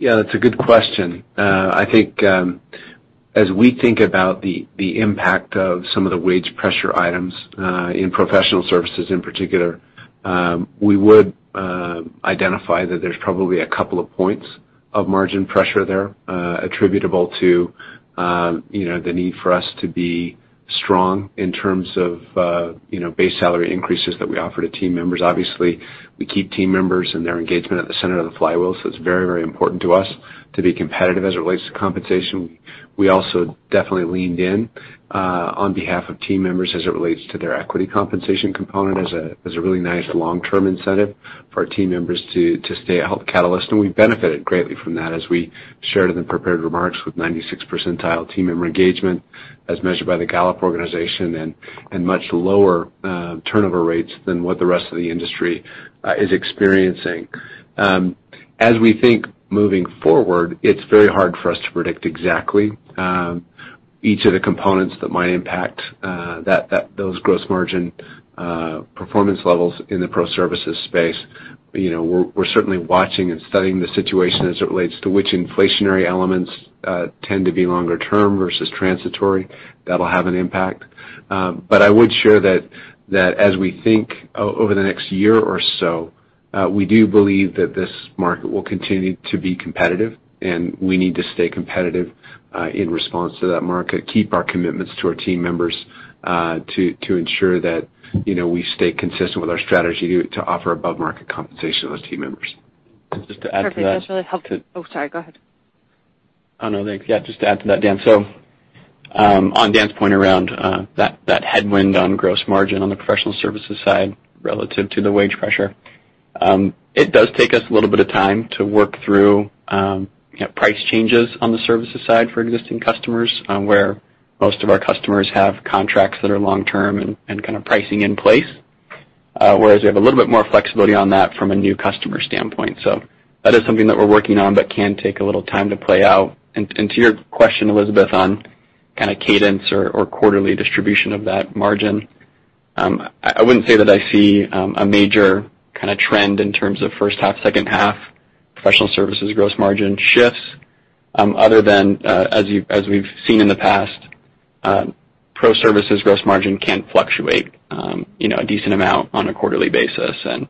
Yeah, that's a good question. I think, as we think about the impact of some of the wage pressure items in professional services in particular, we would identify that there's probably a couple of points of margin pressure there, attributable to you know, the need for us to be strong in terms of you know, base salary increases that we offer to team members. Obviously, we keep team members and their engagement at the center of the flywheel, so it's very, very important to us to be competitive as it relates to compensation. We also definitely leaned in on behalf of team members as it relates to their equity compensation component as a really nice long-term incentive for our team members to stay at Health Catalyst. We benefited greatly from that as we shared in the prepared remarks with 96th percentile team member engagement as measured by the Gallup organization and much lower turnover rates than what the rest of the industry is experiencing. As we think moving forward, it's very hard for us to predict exactly each of the components that might impact those gross margin performance levels in the pro services space. You know, we're certainly watching and studying the situation as it relates to which inflationary elements tend to be longer term versus transitory. That'll have an impact. I would share that as we think over the next year or so, we do believe that this market will continue to be competitive, and we need to stay competitive in response to that market, keep our commitments to our team members, to ensure that, you know, we stay consistent with our strategy to offer above-market compensation to those team members. Just to add to that. Perfect. That's really helpful. Oh, sorry. Go ahead. Oh, no. Thanks. Yeah, just to add to that, Dan. On Dan's point around that headwind on gross margin on the professional services side relative to the wage pressure, it does take us a little bit of time to work through, you know, price changes on the services side for existing customers, where most of our customers have contracts that are long term and kinda pricing in place, whereas we have a little bit more flexibility on that from a new customer standpoint. That is something that we're working on but can take a little time to play out. To your question, Elizabeth, on kinda cadence or quarterly distribution of that margin, I wouldn't say that I see a major kinda trend in terms of first half, second half professional services gross margin shifts, other than as we've seen in the past, pro services gross margin can fluctuate, you know, a decent amount on a quarterly basis and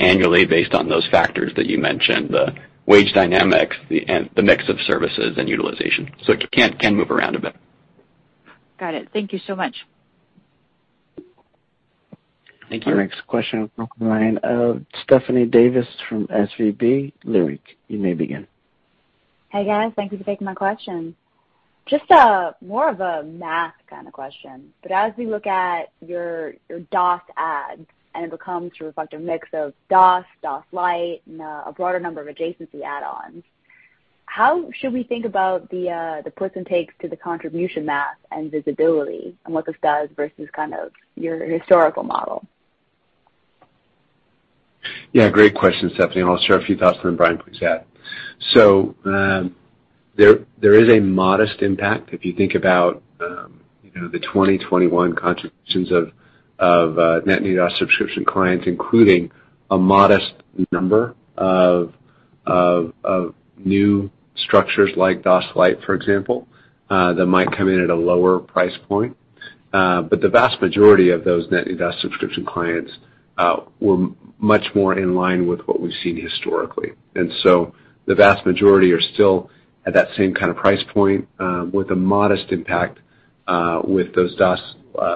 annually based on those factors that you mentioned, the wage dynamics, the mix of services and utilization. It can move around a bit. Got it. Thank you so much. Thank you. Our next question comes from the line of Stephanie Davis from SVB Leerink. You may begin. Hey, guys. Thank you for taking my question. Just a more of a math kinda question, but as we look at your DOS ads and it becomes reflective mix of DOS Lite, and a broader number of adjacency add-ons, how should we think about the puts and takes to the contribution math and visibility and what this does versus kind of your historical model? Yeah, great question, Stephanie, and I'll share a few thoughts and then Bryan please add. There is a modest impact if you think about, you know, the 2021 contributions of net new DOS subscription clients, including a modest number of new structures like DOS Lite, for example, that might come in at a lower price point. But the vast majority of those net new DOS subscription clients were much more in line with what we've seen historically. The vast majority are still at that same kinda price point, with a modest impact with those DOS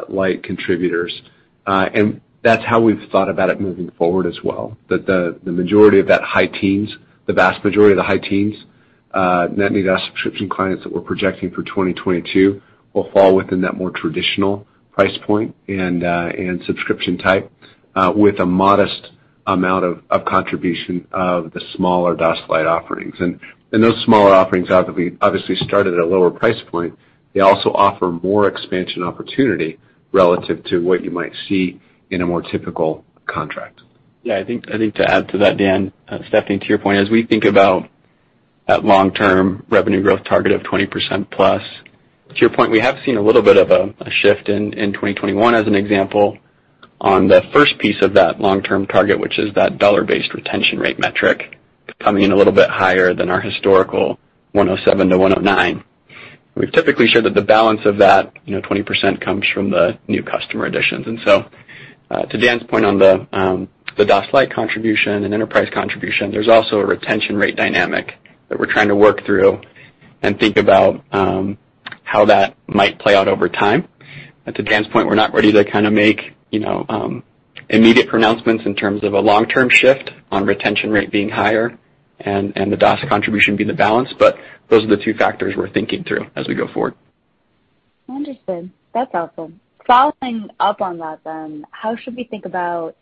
Lite contributors. That's how we've thought about it moving forward as well, that the majority of that high teens, the vast majority of the high teens, net new DOS subscription clients that we're projecting for 2022 will fall within that more traditional price point and subscription type, with a modest amount of contribution of the smaller DOS Lite offerings. Those smaller offerings obviously start at a lower price point. They also offer more expansion opportunity relative to what you might see in a more typical contract. Yeah, I think to add to that, Dan, Stephanie, to your point, as we think about that long-term revenue growth target of 20%+, to your point, we have seen a little bit of a shift in 2021 as an example on the first piece of that long-term target, which is that Dollar-Based Retention rate metric coming in a little bit higher than our historical 107%-109%. We've typically showed that the balance of that, you know, 20% comes from the new customer additions. To Dan's point on the DOS Lite contribution and enterprise contribution, there's also a retention rate dynamic that we're trying to work through and think about how that might play out over time. To Dan's point, we're not ready to kinda make, you know, immediate pronouncements in terms of a long-term shift on retention rate being higher and the DOS contribution being the balance, but those are the two factors we're thinking through as we go forward. Understood. That's helpful. Following up on that then, how should we think about,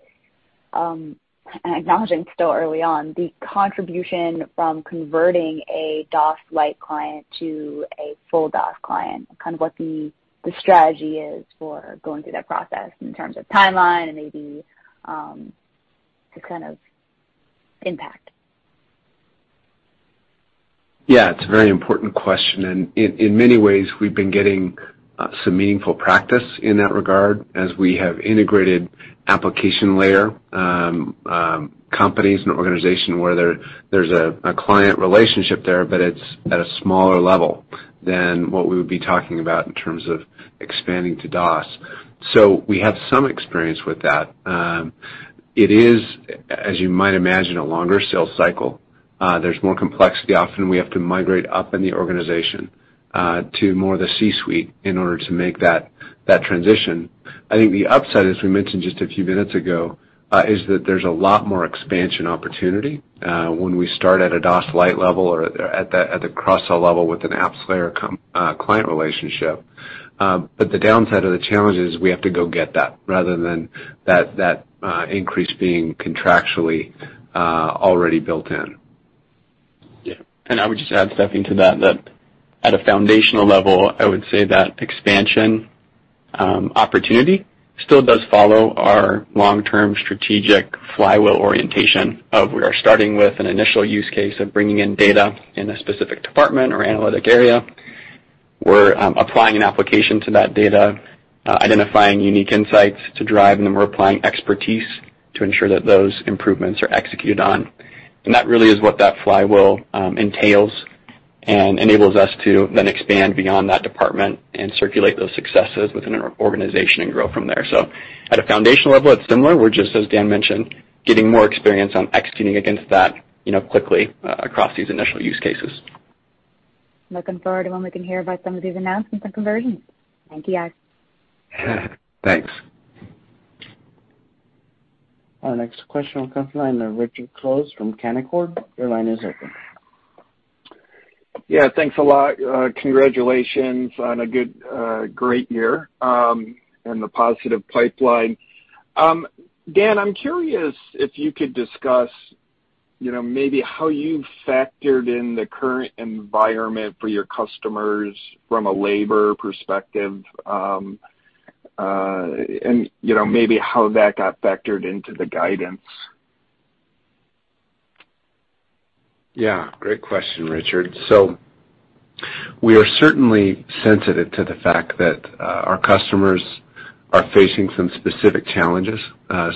and acknowledging it's still early on, the contribution from converting a DOS Lite client to a full DOS client, kind of what the strategy is for going through that process in terms of timeline and maybe, the kind of impact? Yeah, it's a very important question, and in many ways, we've been getting some meaningful practice in that regard as we have integrated application layer companies and organizations where there's a client relationship there, but it's at a smaller level than what we would be talking about in terms of expanding to DOS. We have some experience with that. It is, as you might imagine, a longer sales cycle. There's more complexity. Often we have to migrate up in the organization to more of the C-suite in order to make that transition. I think the upside, as we mentioned just a few minutes ago, is that there's a lot more expansion opportunity when we start at a DOS Lite level or at the cross-sell level with an apps layer client relationship. The downside or the challenge is we have to go get that rather than that increase being contractually already built in. Yeah. I would just add, Stephanie, to that at a foundational level, I would say that expansion opportunity still does follow our long-term strategic flywheel orientation of we are starting with an initial use case of bringing in data in a specific department or analytic area. We're applying an application to that data, identifying unique insights to drive, and then we're applying expertise to ensure that those improvements are executed on. That really is what that flywheel entails and enables us to then expand beyond that department and circulate those successes within our organization and grow from there. At a foundational level, it's similar. We're just, as Dan mentioned, getting more experience on executing against that, you know, quickly, across these initial use cases. Looking forward to when we can hear about some of these announcements and conversions. Thank you, guys. Thanks. Our next question will come from the line of Richard Close from Canaccord. Your line is open. Yeah, thanks a lot. Congratulations on a good, great year, and the positive pipeline. Dan, I'm curious if you could discuss, you know, maybe how you factored in the current environment for your customers from a labor perspective, and, you know, maybe how that got factored into the guidance. Yeah, great question, Richard. We are certainly sensitive to the fact that our customers are facing some specific challenges.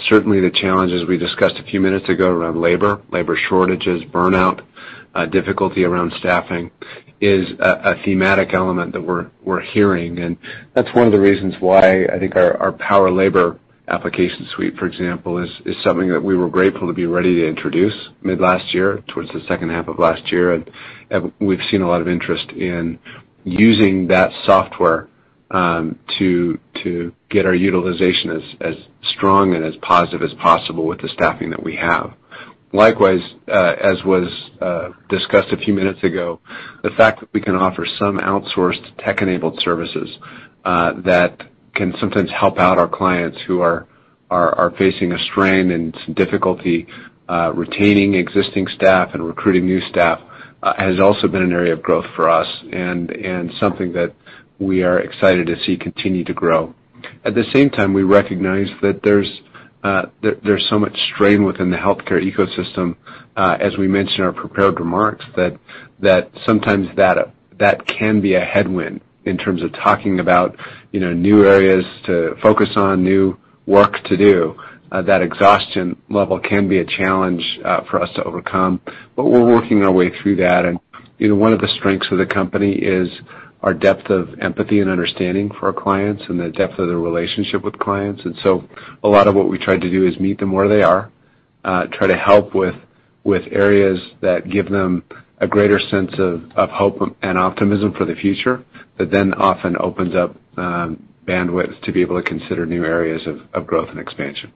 Certainly the challenges we discussed a few minutes ago around labor shortages, burnout, difficulty around staffing is a thematic element that we're hearing. That's one of the reasons why I think our PowerLabor application suite, for example, is something that we were grateful to be ready to introduce mid last year towards the second half of last year. We've seen a lot of interest in using that software to get our utilization as strong and as positive as possible with the staffing that we have. Likewise, as was discussed a few minutes ago, the fact that we can offer some outsourced tech-enabled services that can sometimes help out our clients who are facing a strain and some difficulty retaining existing staff and recruiting new staff has also been an area of growth for us and something that we are excited to see continue to grow. At the same time, we recognize that there's so much strain within the healthcare ecosystem, as we mentioned in our prepared remarks, that sometimes that can be a headwind in terms of talking about, you know, new areas to focus on, new work to do. That exhaustion level can be a challenge for us to overcome. We're working our way through that. You know, one of the strengths of the company is our depth of empathy and understanding for our clients and the depth of the relationship with clients. A lot of what we try to do is meet them where they are, try to help with areas that give them a greater sense of hope and optimism for the future that then often opens up bandwidth to be able to consider new areas of growth and expansion.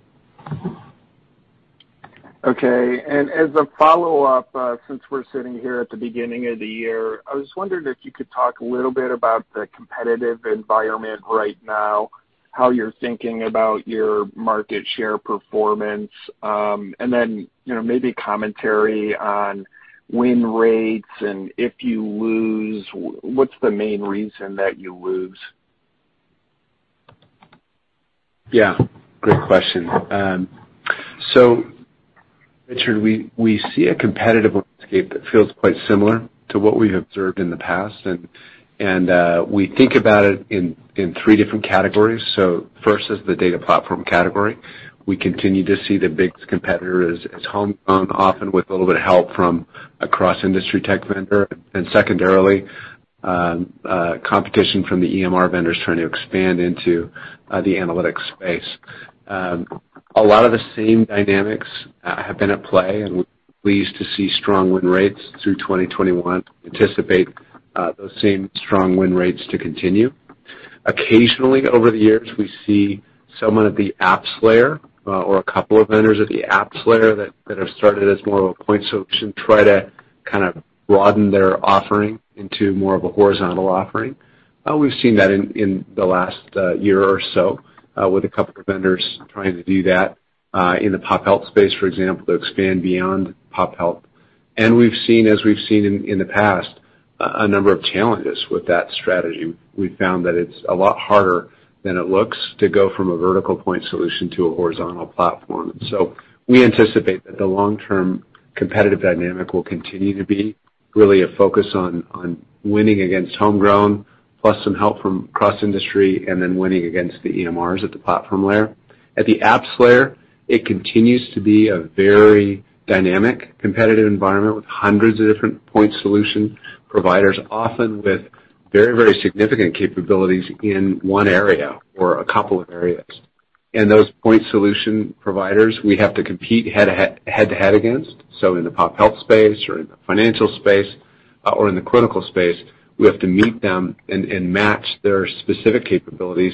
Okay. As a follow-up, since we're sitting here at the beginning of the year, I was wondering if you could talk a little bit about the competitive environment right now, how you're thinking about your market share performance, and then, you know, maybe commentary on win rates and if you lose, what's the main reason that you lose? Yeah, great question. Richard, we see a competitive landscape that feels quite similar to what we've observed in the past. We think about it in three different categories. First is the data platform category. We continue to see the biggest competitor as home grown, often with a little bit of help from a cross-industry tech vendor, and secondarily, competition from the EMR vendors trying to expand into the analytics space. A lot of the same dynamics have been at play, and we're pleased to see strong win rates through 2021. We anticipate those same strong win rates to continue. Occasionally, over the years, we see someone at the apps layer, or a couple of vendors at the apps layer that have started as more of a point solution try to kind of broaden their offering into more of a horizontal offering. We've seen that in the last year or so, with a couple of vendors trying to do that, in the pop health space, for example, to expand beyond pop health. We've seen, as we've seen in the past, a number of challenges with that strategy. We've found that it's a lot harder than it looks to go from a vertical point solution to a horizontal platform. We anticipate that the long-term competitive dynamic will continue to be really a focus on winning against homegrown plus some help from cross-industry and then winning against the EMRs at the platform layer. At the apps layer, it continues to be a very dynamic competitive environment with hundreds of different point solution providers, often with very, very significant capabilities in one area or a couple of areas. Those point solution providers, we have to compete head-to-head against. In the pop health space or in the financial space, or in the critical space, we have to meet them and match their specific capabilities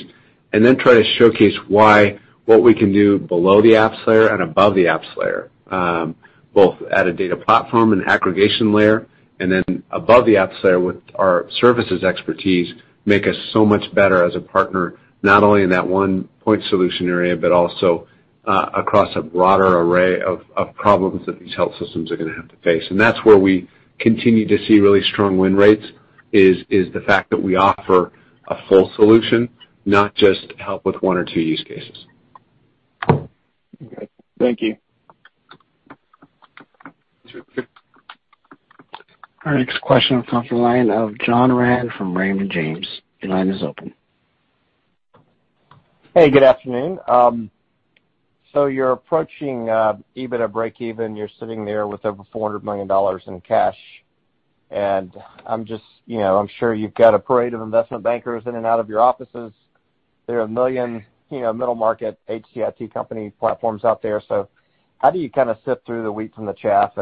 and then try to showcase why what we can do below the apps layer and above the apps layer, both at a data platform and aggregation layer, and then above the apps layer with our services expertise make us so much better as a partner, not only in that one point solution area, but also, across a broader array of problems that these health systems are gonna have to face. That's where we continue to see really strong win rates, is the fact that we offer a full solution, not just help with one or two use cases. Okay. Thank you. Our next question will come from the line of John Ransom from Raymond James. Your line is open. Hey, good afternoon. You're approaching EBITDA breakeven. You're sitting there with over $400 million in cash. I'm just, you know, I'm sure you've got a parade of investment bankers in and out of your offices. There are a million, you know, middle market HIT company platforms out there. How do you kinda sift through the wheat from the chaff?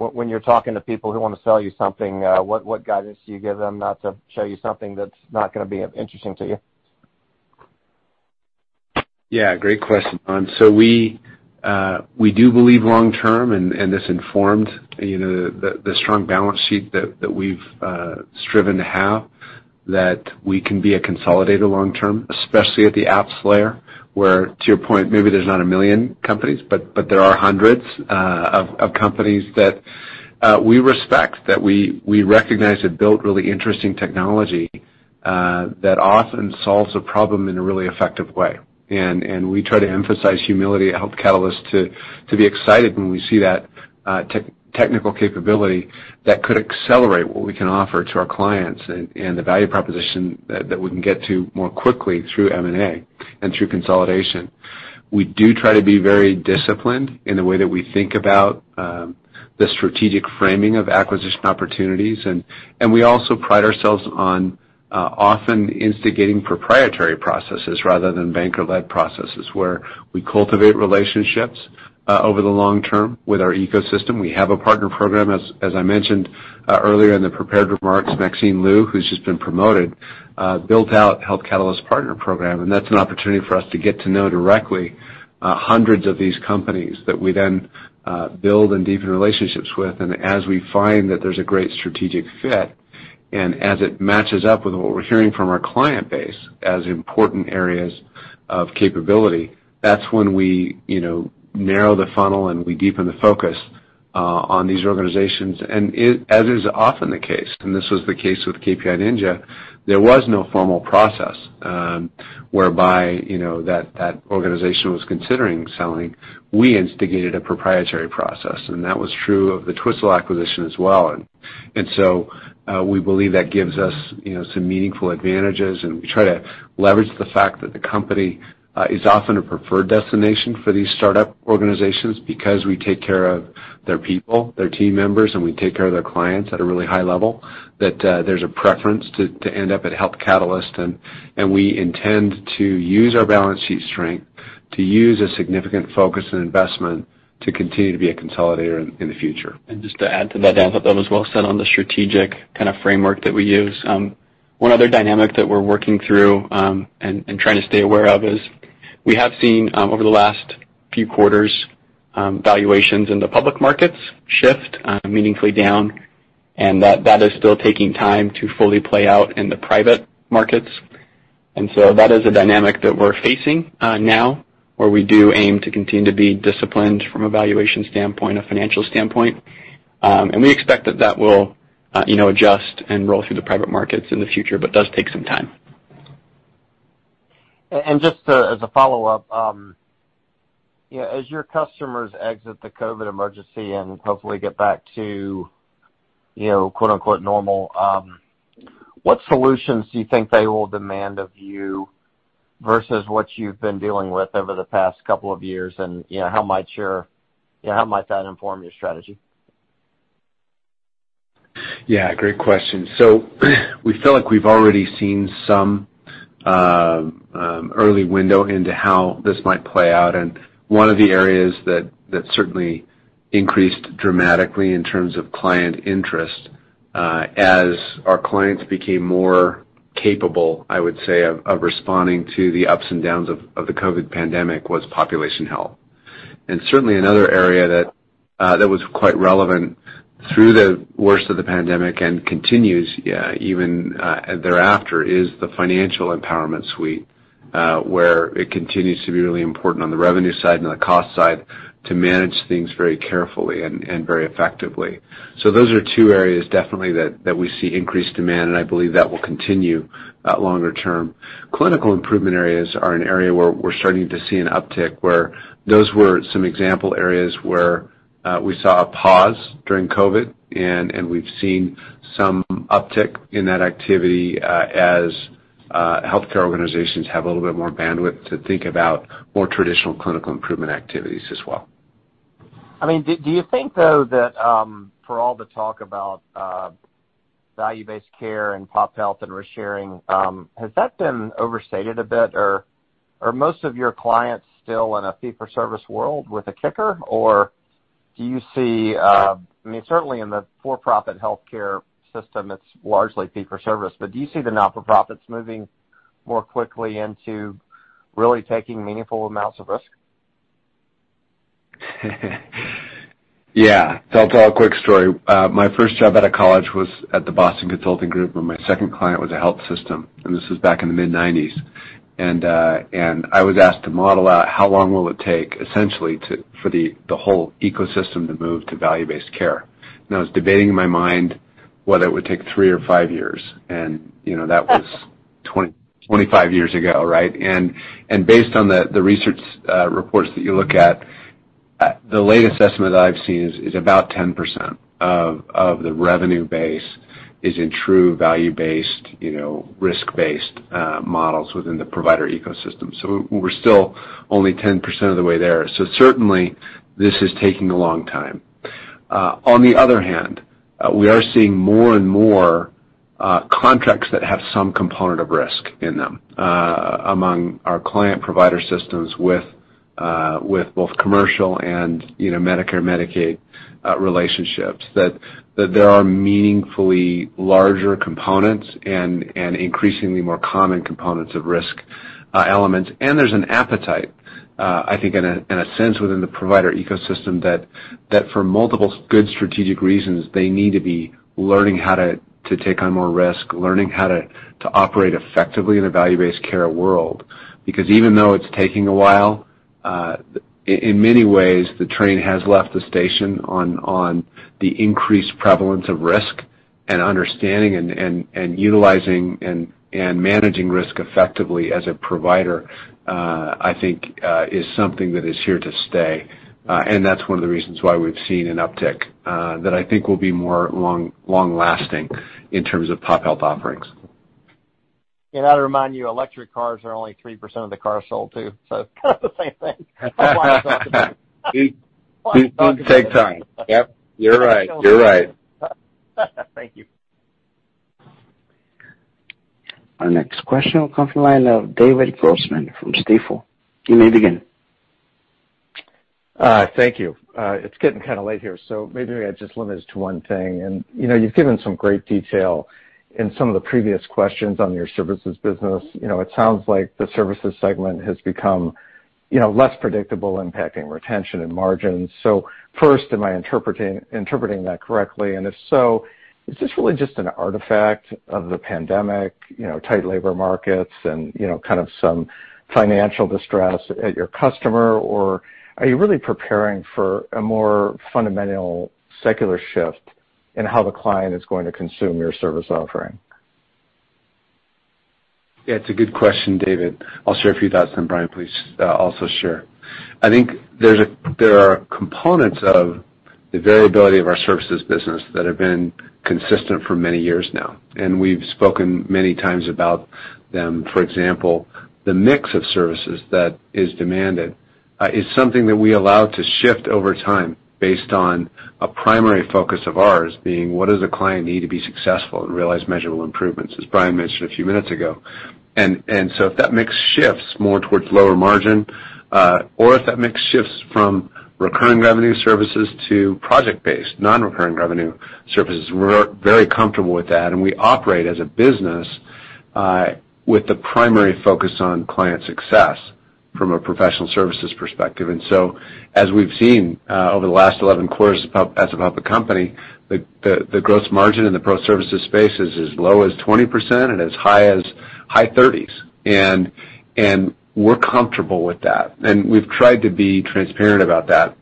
When you're talking to people who wanna sell you something, what guidance do you give them not to show you something that's not gonna be interesting to you? Yeah, great question, John. We do believe long term, and this informs, you know, the strong balance sheet that we've striven to have that we can be a consolidator long term, especially at the apps layer, where to your point, maybe there's not a million companies, but there are hundreds of companies that we respect, that we recognize have built really interesting technology that often solves a problem in a really effective way. We try to emphasize humility at Health Catalyst to be excited when we see that technical capability that could accelerate what we can offer to our clients and the value proposition that we can get to more quickly through M&A and through consolidation. We do try to be very disciplined in the way that we think about the strategic framing of acquisition opportunities. We also pride ourselves on often instigating proprietary processes rather than banker-led processes, where we cultivate relationships over the long term with our ecosystem. We have a partner program. As I mentioned earlier in the prepared remarks, Maxine Lu, who's just been promoted, built out Health Catalyst partner program, and that's an opportunity for us to get to know directly hundreds of these companies that we then build and deepen relationships with. As we find that there's a great strategic fit and as it matches up with what we're hearing from our client base as important areas of capability, that's when we you know narrow the funnel and we deepen the focus on these organizations. As is often the case, and this was the case with KPI Ninja, there was no formal process, whereby, you know, that organization was considering selling. We instigated a proprietary process, and that was true of the Twistle acquisition as well. We believe that gives us, you know, some meaningful advantages, and we try to leverage the fact that the company is often a preferred destination for these startup organizations because we take care of their people, their team members, and we take care of their clients at a really high level, that there's a preference to end up at Health Catalyst. We intend to use our balance sheet strength to use a significant focus and investment to continue to be a consolidator in the future. Just to add to that, I thought that was well said on the strategic kind of framework that we use. One other dynamic that we're working through and trying to stay aware of is we have seen over the last few quarters valuations in the public markets shift meaningfully down, and that is still taking time to fully play out in the private markets. That is a dynamic that we're facing now, where we do aim to continue to be disciplined from a valuation standpoint, a financial standpoint. We expect that will you know adjust and roll through the private markets in the future, but does take some time. Just as a follow-up, you know, as your customers exit the COVID emergency and hopefully get back to, you know, quote-unquote, normal, what solutions do you think they will demand of you versus what you've been dealing with over the past couple of years? You know, how might that inform your strategy? Yeah, great question. We feel like we've already seen some early window into how this might play out. One of the areas that certainly increased dramatically in terms of client interest as our clients became more capable, I would say, of responding to the ups and downs of the COVID-19 pandemic was population health. Certainly another area that was quite relevant through the worst of the pandemic and continues even thereafter is the financial empowerment suite, where it continues to be really important on the revenue side and on the cost side to manage things very carefully and very effectively. Those are two areas definitely that we see increased demand, and I believe that will continue longer term. Clinical improvement areas are an area where we're starting to see an uptick, where those were some example areas where we saw a pause during COVID and we've seen some uptick in that activity, as healthcare organizations have a little bit more bandwidth to think about more traditional clinical improvement activities as well. I mean, do you think though that, for all the talk about, value-based care and pop health and risk sharing, has that been overstated a bit? Or are most of your clients still in a fee-for-service world with a kicker? Or do you see, I mean, certainly in the for-profit healthcare system, it's largely fee for service, but do you see the not-for-profits moving more quickly into really taking meaningful amounts of risk? Yeah. I'll tell a quick story. My first job out of college was at the Boston Consulting Group, and my second client was a health system, and this was back in the mid-1990s. I was asked to model out how long will it take essentially to for the whole ecosystem to move to value-based care. I was debating in my mind whether it would take three or five years. You know, that was 25 years ago, right? Based on the research reports that you look at, the latest estimate that I've seen is about 10% of the revenue base is in true value-based, you know, risk-based models within the provider ecosystem. We're still only 10% of the way there. Certainly this is taking a long time. On the other hand, we are seeing more and more contracts that have some component of risk in them, among our client provider systems with both commercial and, you know, Medicare/Medicaid relationships, that there are meaningfully larger components and increasingly more common components of risk elements. There's an appetite, I think in a sense, within the provider ecosystem that for multiple good strategic reasons, they need to be learning how to take on more risk, learning how to operate effectively in a value-based care world. Because even though it's taking a while, in many ways, the train has left the station on the increased prevalence of risk and understanding and utilizing and managing risk effectively as a provider, I think, is something that is here to stay. That's one of the reasons why we've seen an uptick that I think will be more long-lasting in terms of pop health offerings. I'd remind you, electric cars are only 3% of the cars sold too, so kind of the same thing. That's why I'm talking about it. It takes time. Yep, you're right. You're right. Thank you. Our next question will come from the line of David Grossman from Stifel. You may begin. Thank you. It's getting kinda late here, so maybe I just limit it to one thing. You know, you've given some great detail in some of the previous questions on your services business. You know, it sounds like the services segment has become, you know, less predictable, impacting retention and margins. First, am I interpreting that correctly? And if so, is this really just an artifact of the pandemic, you know, tight labor markets and, you know, kind of some financial distress at your customer? Or are you really preparing for a more fundamental secular shift in how the client is going to consume your service offering? Yeah, it's a good question, David. I'll share a few thoughts, then Bryan please, also share. I think there are components of the variability of our services business that have been consistent for many years now, and we've spoken many times about them. For example, the mix of services that is demanded is something that we allow to shift over time based on a primary focus of ours being what does a client need to be successful and realize measurable improvements, as Bryan mentioned a few minutes ago. If that mix shifts more towards lower margin or if that mix shifts from recurring revenue services to project-based non-recurring revenue services, we're very comfortable with that, and we operate as a business with the primary focus on client success from a professional services perspective. As we've seen over the last 11 quarters as a public company, the gross margin in the pro services space is as low as 20% and as high as high 30s%. We're comfortable with that. We've tried to be transparent about that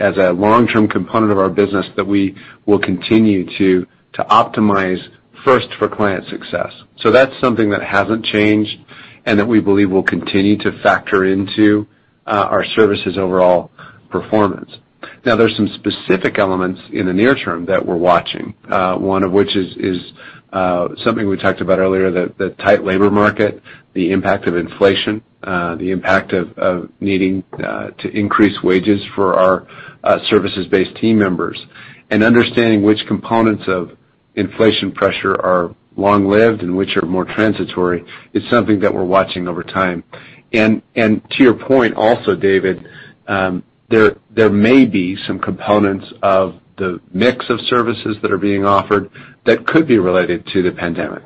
as a long-term component of our business that we will continue to optimize first for client success. That's something that hasn't changed and that we believe will continue to factor into our services overall performance. Now, there's some specific elements in the near term that we're watching, one of which is something we talked about earlier, the tight labor market, the impact of inflation, the impact of needing to increase wages for our services-based team members. Understanding which components of inflation pressure are long-lived and which are more transitory is something that we're watching over time. To your point also, David, there may be some components of the mix of services that are being offered that could be related to the pandemic.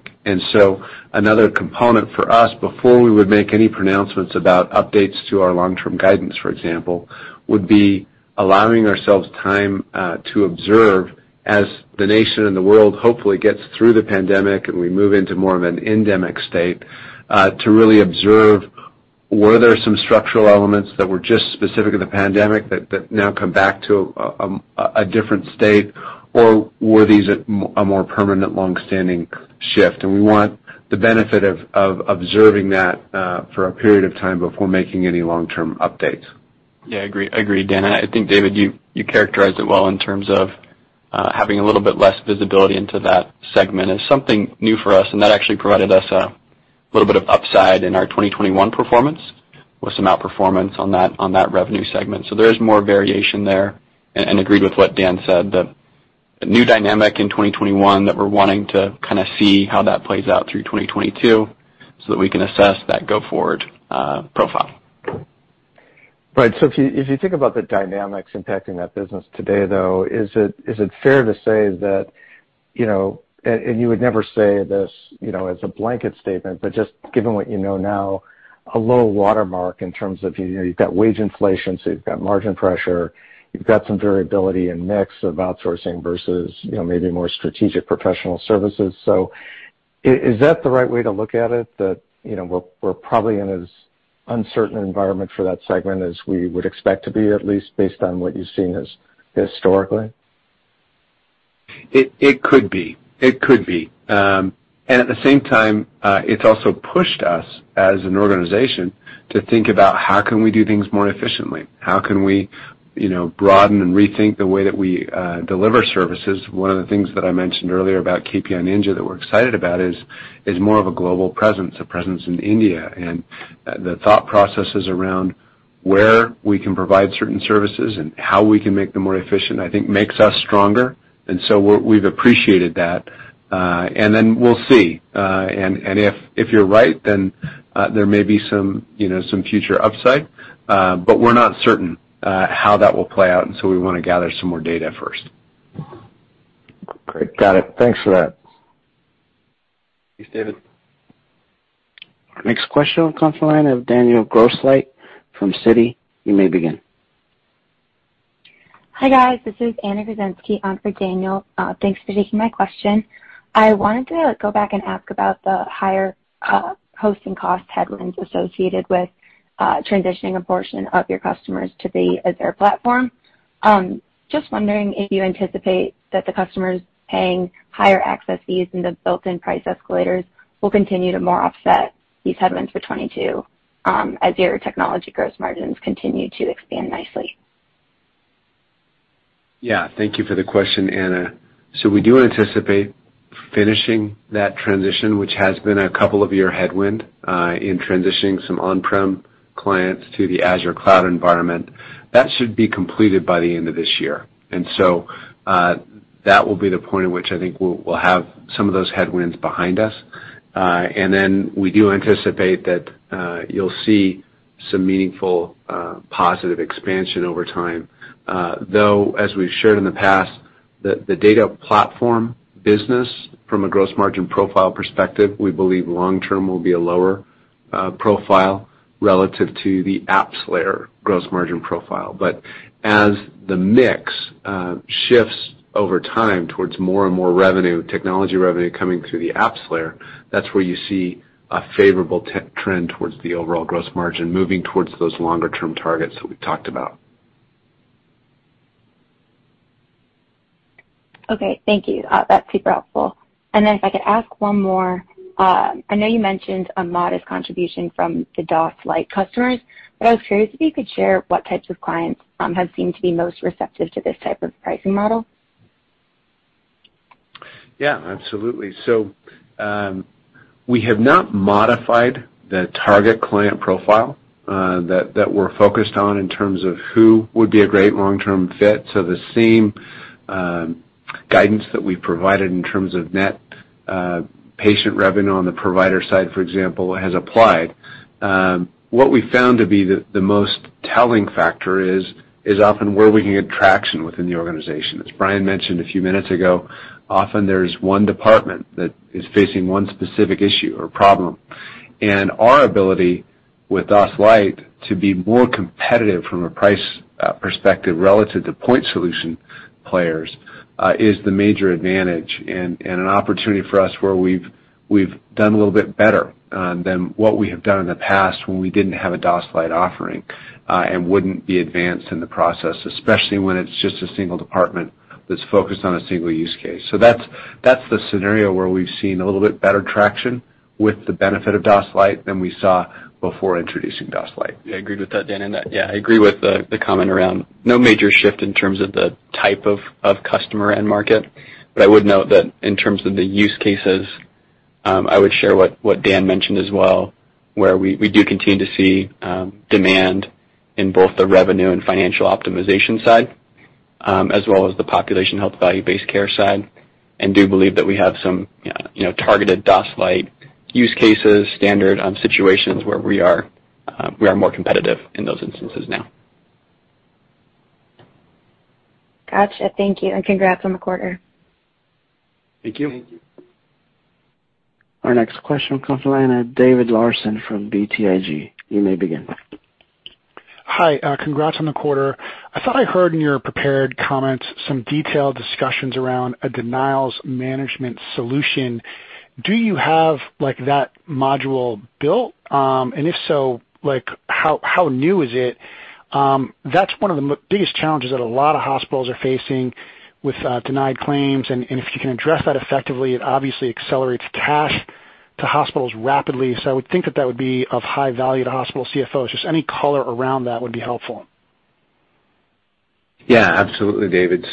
Another component for us before we would make any pronouncements about updates to our long-term guidance, for example, would be allowing ourselves time to observe as the nation and the world hopefully gets through the pandemic, and we move into more of an endemic state, to really observe whether there were some structural elements that were just specific to the pandemic that now come back to a different state, or were these a more permanent, long-standing shift. We want the benefit of observing that for a period of time before making any long-term updates. Yeah, I agree, Dan. I think, David, you characterized it well in terms of having a little bit less visibility into that segment is something new for us, and that actually provided us a little bit of upside in our 2021 performance with some outperformance on that revenue segment. There is more variation there. Agreed with what Dan said, the new dynamic in 2021 that we're wanting to kind of see how that plays out through 2022 so that we can assess that go forward profile. Right. If you think about the dynamics impacting that business today, though, is it fair to say that, you know, and you would never say this, you know, as a blanket statement, but just given what you know now, a low watermark in terms of, you know, you've got wage inflation, so you've got margin pressure, you've got some variability in mix of outsourcing versus, you know, maybe more strategic professional services. Is that the right way to look at it, that, you know, we're probably in an uncertain environment for that segment as we would expect to be, at least based on what you've seen as historically? It could be. At the same time, it's also pushed us as an organization to think about how can we do things more efficiently. How can we, you know, broaden and rethink the way that we deliver services. One of the things that I mentioned earlier about KPI Ninja that we're excited about is more of a global presence, a presence in India. The thought processes around where we can provide certain services and how we can make them more efficient, I think makes us stronger. We've appreciated that, and then we'll see. And if you're right, then there may be some, you know, some future upside, but we're not certain how that will play out, and so we wanna gather some more data first. Great. Got it. Thanks for that. Thanks, David. Our next question comes from the line of Daniel Grosslight from Citi. You may begin. Hi, guys. This is Anna Grodzinsky on for Daniel. Thanks for taking my question. I wanted to go back and ask about the higher hosting cost headwinds associated with transitioning a portion of your customers to the Azure platform. Just wondering if you anticipate that the customers paying higher access fees and the built-in price escalators will continue to more offset these headwinds for 2022, as your technology gross margins continue to expand nicely. Yeah. Thank you for the question, Anna. We do anticipate finishing that transition, which has been a couple of years headwind, in transitioning some on-prem clients to the Azure cloud environment. That should be completed by the end of this year. That will be the point in which I think we'll have some of those headwinds behind us. We do anticipate that you'll see some meaningful positive expansion over time. Though, as we've shared in the past, the data platform business from a gross margin profile perspective, we believe long term will be a lower profile relative to the AppsLayer gross margin profile. As the mix shifts over time towards more and more revenue, technology revenue coming through the AppsLayer, that's where you see a favorable trend towards the overall gross margin moving towards those longer term targets that we talked about. Okay. Thank you. That's super helpful. If I could ask one more. I know you mentioned a modest contribution from the DOS Lite customers, but I was curious if you could share what types of clients have seemed to be most receptive to this type of pricing model? Yeah, absolutely. We have not modified the target client profile that we're focused on in terms of who would be a great long-term fit. The same guidance that we provided in terms of net patient revenue on the provider side, for example, has applied. What we found to be the most telling factor is often where we can get traction within the organization. As Bryan mentioned a few minutes ago, often there's one department that is facing one specific issue or problem. Our ability with DOS Lite to be more competitive from a price perspective relative to point solution players is the major advantage and an opportunity for us where we've done a little bit better than what we have done in the past when we didn't have a DOS Lite offering and wouldn't be advanced in the process, especially when it's just a single department that's focused on a single use case. That's the scenario where we've seen a little bit better traction with the benefit of DOS Lite than we saw before introducing DOS Lite. Yeah, agreed with that, Dan, and that, yeah, I agree with the comment around no major shift in terms of the type of customer and market. I would note that in terms of the use cases, I would share what Dan mentioned as well, where we do continue to see demand in both the revenue and financial optimization side, as well as the population health value-based care side, and do believe that we have some you know, targeted DOS Lite use cases, standard situations where we are more competitive in those instances now. Gotcha. Thank you, and congrats on the quarter. Thank you. Thank you. Our next question comes from the line of David Larsen from BTIG. You may begin. Hi. Congrats on the quarter. I thought I heard in your prepared comments some detailed discussions around a denials management solution. Do you have, like, that module built? If so, like, how new is it? That's one of the biggest challenges that a lot of hospitals are facing with denied claims. If you can address that effectively, it obviously accelerates cash to hospitals rapidly. I would think that would be of high value to hospital CFOs. Just any color around that would be helpful. Yeah, absolutely, David.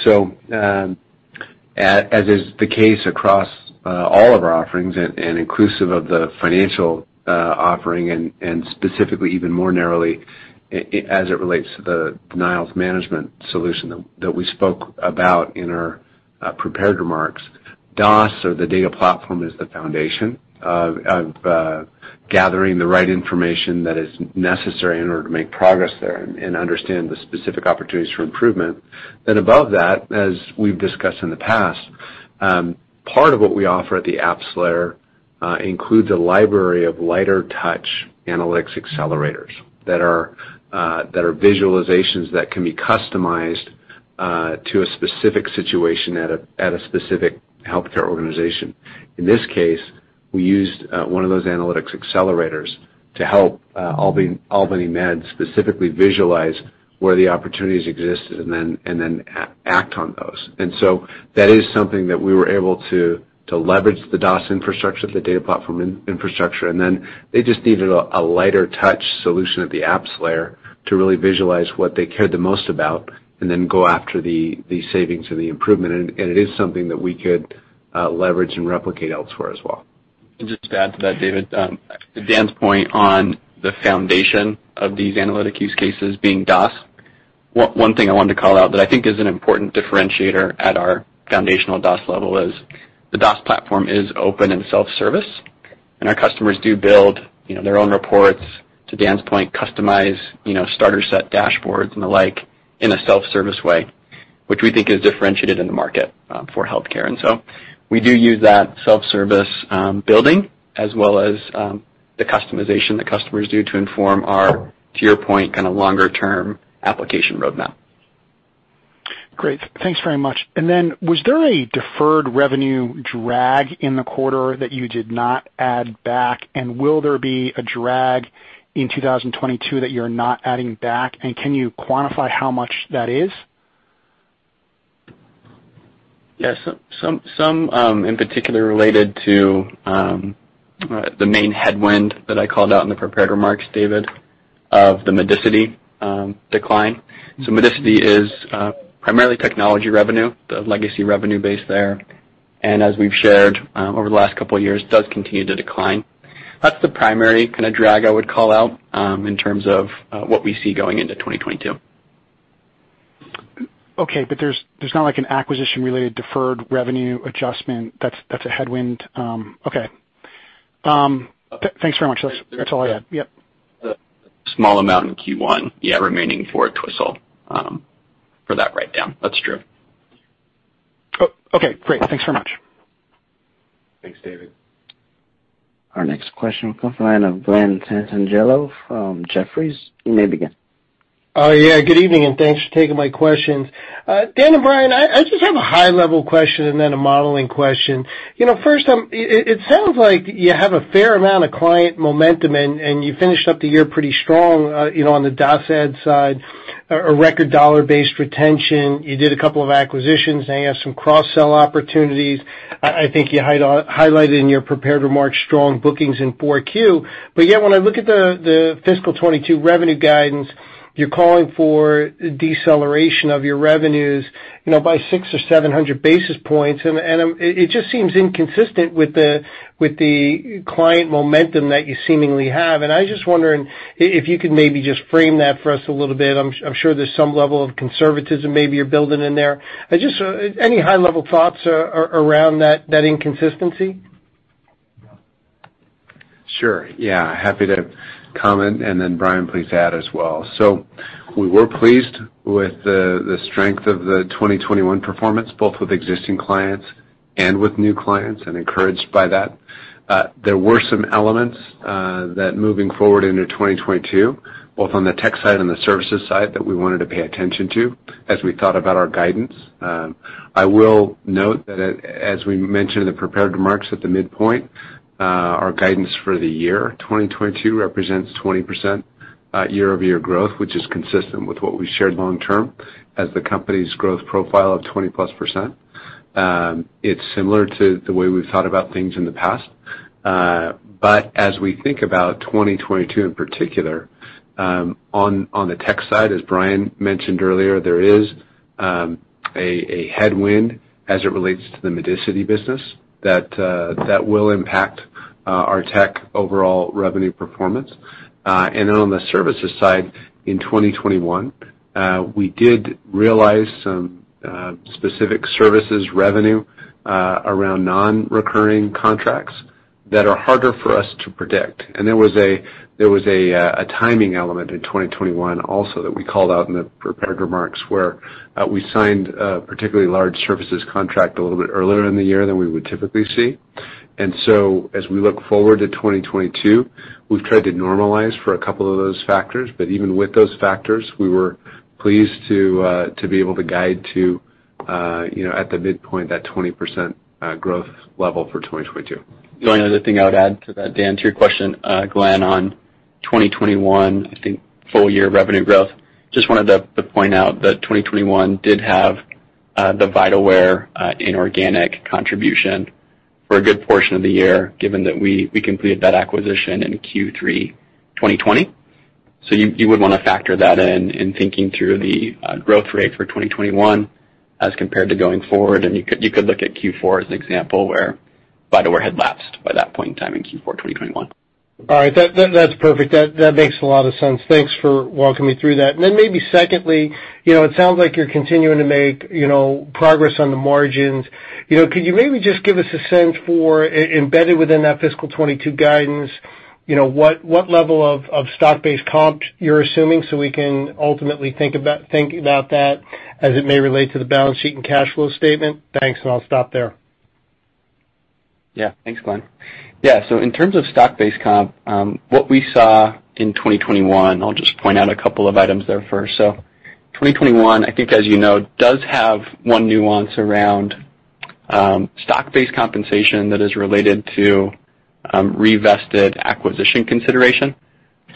As is the case across all of our offerings and inclusive of the financial offering and specifically even more narrowly as it relates to the denials management solution that we spoke about in our prepared remarks, DOS or the data platform is the foundation of gathering the right information that is necessary in order to make progress there and understand the specific opportunities for improvement. Above that, as we've discussed in the past, part of what we offer at the apps layer includes a library of lighter touch analytics accelerators that are visualizations that can be customized to a specific situation at a specific healthcare organization. In this case, we used one of those analytics accelerators to help Albany Med specifically visualize where the opportunities exist and then act on those. That is something that we were able to leverage the DOS infrastructure, the data platform infrastructure, and then they just needed a lighter touch solution at the apps layer to really visualize what they cared the most about and then go after the savings and the improvement. It is something that we could leverage and replicate elsewhere as well. Just to add to that, David, to Dan's point on the foundation of these analytic use cases being DOS, one thing I wanted to call out that I think is an important differentiator at our foundational DOS level is the DOS platform is open and self-service, and our customers do build, you know, their own reports, to Dan's point, customize, you know, starter set dashboards and the like in a self-service way, which we think is differentiated in the market, for healthcare. We do use that self-service, building as well as, the customization that customers do to inform our, to your point, kind of longer-term application roadmap. Great. Thanks very much. Was there a deferred revenue drag in the quarter that you did not add back? Will there be a drag in 2022 that you're not adding back? Can you quantify how much that is? Yes. Some in particular related to the main headwind that I called out in the prepared remarks, David, of the Medicity decline. Medicity is primarily technology revenue, the legacy revenue base there. As we've shared over the last couple of years, does continue to decline. That's the primary kind of drag I would call out in terms of what we see going into 2022. Okay, there's not like an acquisition-related deferred revenue adjustment that's a headwind. Okay. Thanks very much. That's all I had. Yep. Small amount in Q1, yeah, remaining for Twistle for that write-down. That's true. Okay, great. Thanks very much. Thanks, David. Our next question will come from the line of Glen Santangelo from Jefferies. You may begin. Oh, yeah, good evening, and thanks for taking my questions. Dan and Bryan, I just have a high level question and then a modeling question. You know, first, it sounds like you have a fair amount of client momentum, and you finished up the year pretty strong, you know, on the DOS and DOS side, a record dollar-based retention. You did a couple of acquisitions, now you have some cross-sell opportunities. I think you highlighted in your prepared remarks strong bookings in Q4. But yet when I look at the fiscal 2022 revenue guidance, you're calling for deceleration of your revenues, you know, by 600 or 700 basis points. It just seems inconsistent with the client momentum that you seemingly have. I was just wondering if you could maybe just frame that for us a little bit. I'm sure there's some level of conservatism maybe you're building in there. Just any high-level thoughts around that inconsistency? Sure. Yeah, happy to comment, and then Bryan, please add as well. We were pleased with the strength of the 2021 performance, both with existing clients and with new clients, and encouraged by that. There were some elements that moving forward into 2022, both on the tech side and the services side, that we wanted to pay attention to as we thought about our guidance. I will note that as we mentioned in the prepared remarks at the midpoint, our guidance for the year 2022 represents 20% year-over-year growth, which is consistent with what we shared long term as the company's growth profile of 20%+. It's similar to the way we've thought about things in the past. As we think about 2022 in particular, on the tech side, as Bryan mentioned earlier, there is a headwind as it relates to the Medicity business that will impact our tech overall revenue performance. On the services side, in 2021, we did realize some specific services revenue around non-recurring contracts that are harder for us to predict. There was a timing element in 2021 also that we called out in the prepared remarks, where we signed a particularly large services contract a little bit earlier in the year than we would typically see. As we look forward to 2022, we've tried to normalize for a couple of those factors but even with those factors, we were pleased to be able to guide to, you know, at the midpoint, that 20% growth level for 2022. The only other thing I would add to that, Dan, to your question, Glen, on 2021, I think full year revenue growth, just wanted to point out that 2021 did have the Vitalware inorganic contribution for a good portion of the year, given that we completed that acquisition in Q3 2020. You would wanna factor that in thinking through the growth rate for 2021 as compared to going forward. You could look at Q4 as an example where Vitalware had lapsed by that point in time in Q4 2021. All right. That's perfect. That makes a lot of sense. Thanks for walking me through that. Maybe secondly, you know, it sounds like you're continuing to make, you know, progress on the margins. You know, could you maybe just give us a sense for is embedded within that fiscal 2022 guidance, you know, what level of stock-based comp you're assuming so we can ultimately think about that as it may relate to the balance sheet and cash flow statement? Thanks, and I'll stop there. Yeah. Thanks, Glen. Yeah. In terms of stock-based comp, what we saw in 2021, I'll just point out a couple of items there first. 2021, I think as you know, does have one nuance around stock-based compensation that is related to revested acquisition consideration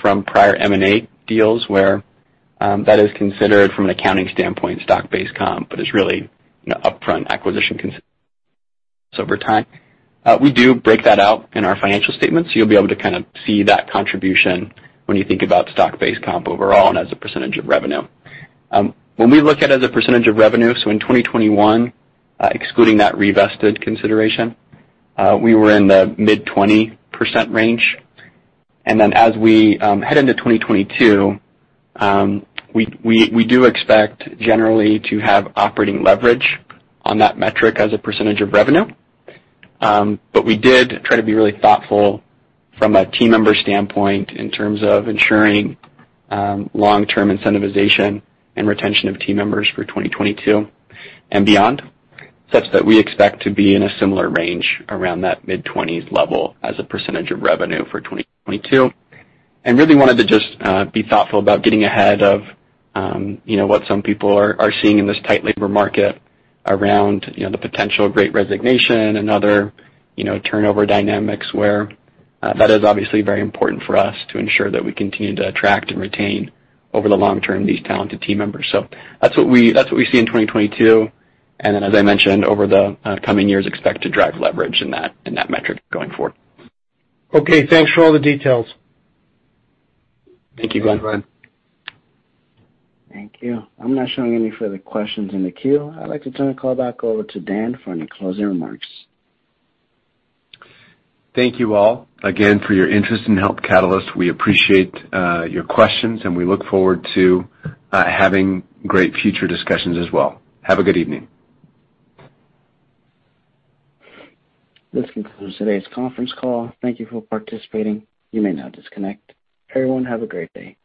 from prior M&A deals where that is considered from an accounting standpoint stock-based comp but is really, you know, upfront acquisition. Over time, we do break that out in our financial statements. You'll be able to kind of see that contribution when you think about stock-based comp overall and as a percentage of revenue. When we look at it as a percentage of revenue, in 2021, excluding that revested consideration, we were in the mid-20% range. As we head into 2022, we do expect generally to have operating leverage on that metric as a percentage of revenue. We did try to be really thoughtful from a team member standpoint in terms of ensuring long-term incentivization and retention of team members for 2022 and beyond, such that we expect to be in a similar range around that mid-20s% level as a percentage of revenue for 2022. We really wanted to just be thoughtful about getting ahead of you know what some people are seeing in this tight labor market around you know the potential Great Resignation and other you know turnover dynamics where that is obviously very important for us to ensure that we continue to attract and retain over the long term these talented team members. That's what we see in 2022. Then, as I mentioned, over the coming years, we expect to drive leverage in that metric going forward. Okay, thanks for all the details. Thank you, Glen. Thank you. I'm not showing any further questions in the queue. I'd like to turn the call back over to Dan for any closing remarks. Thank you all again for your interest in Health Catalyst. We appreciate your questions, and we look forward to having great future discussions as well. Have a good evening. This concludes today's conference call. Thank you for participating. You may now disconnect. Everyone, have a great day.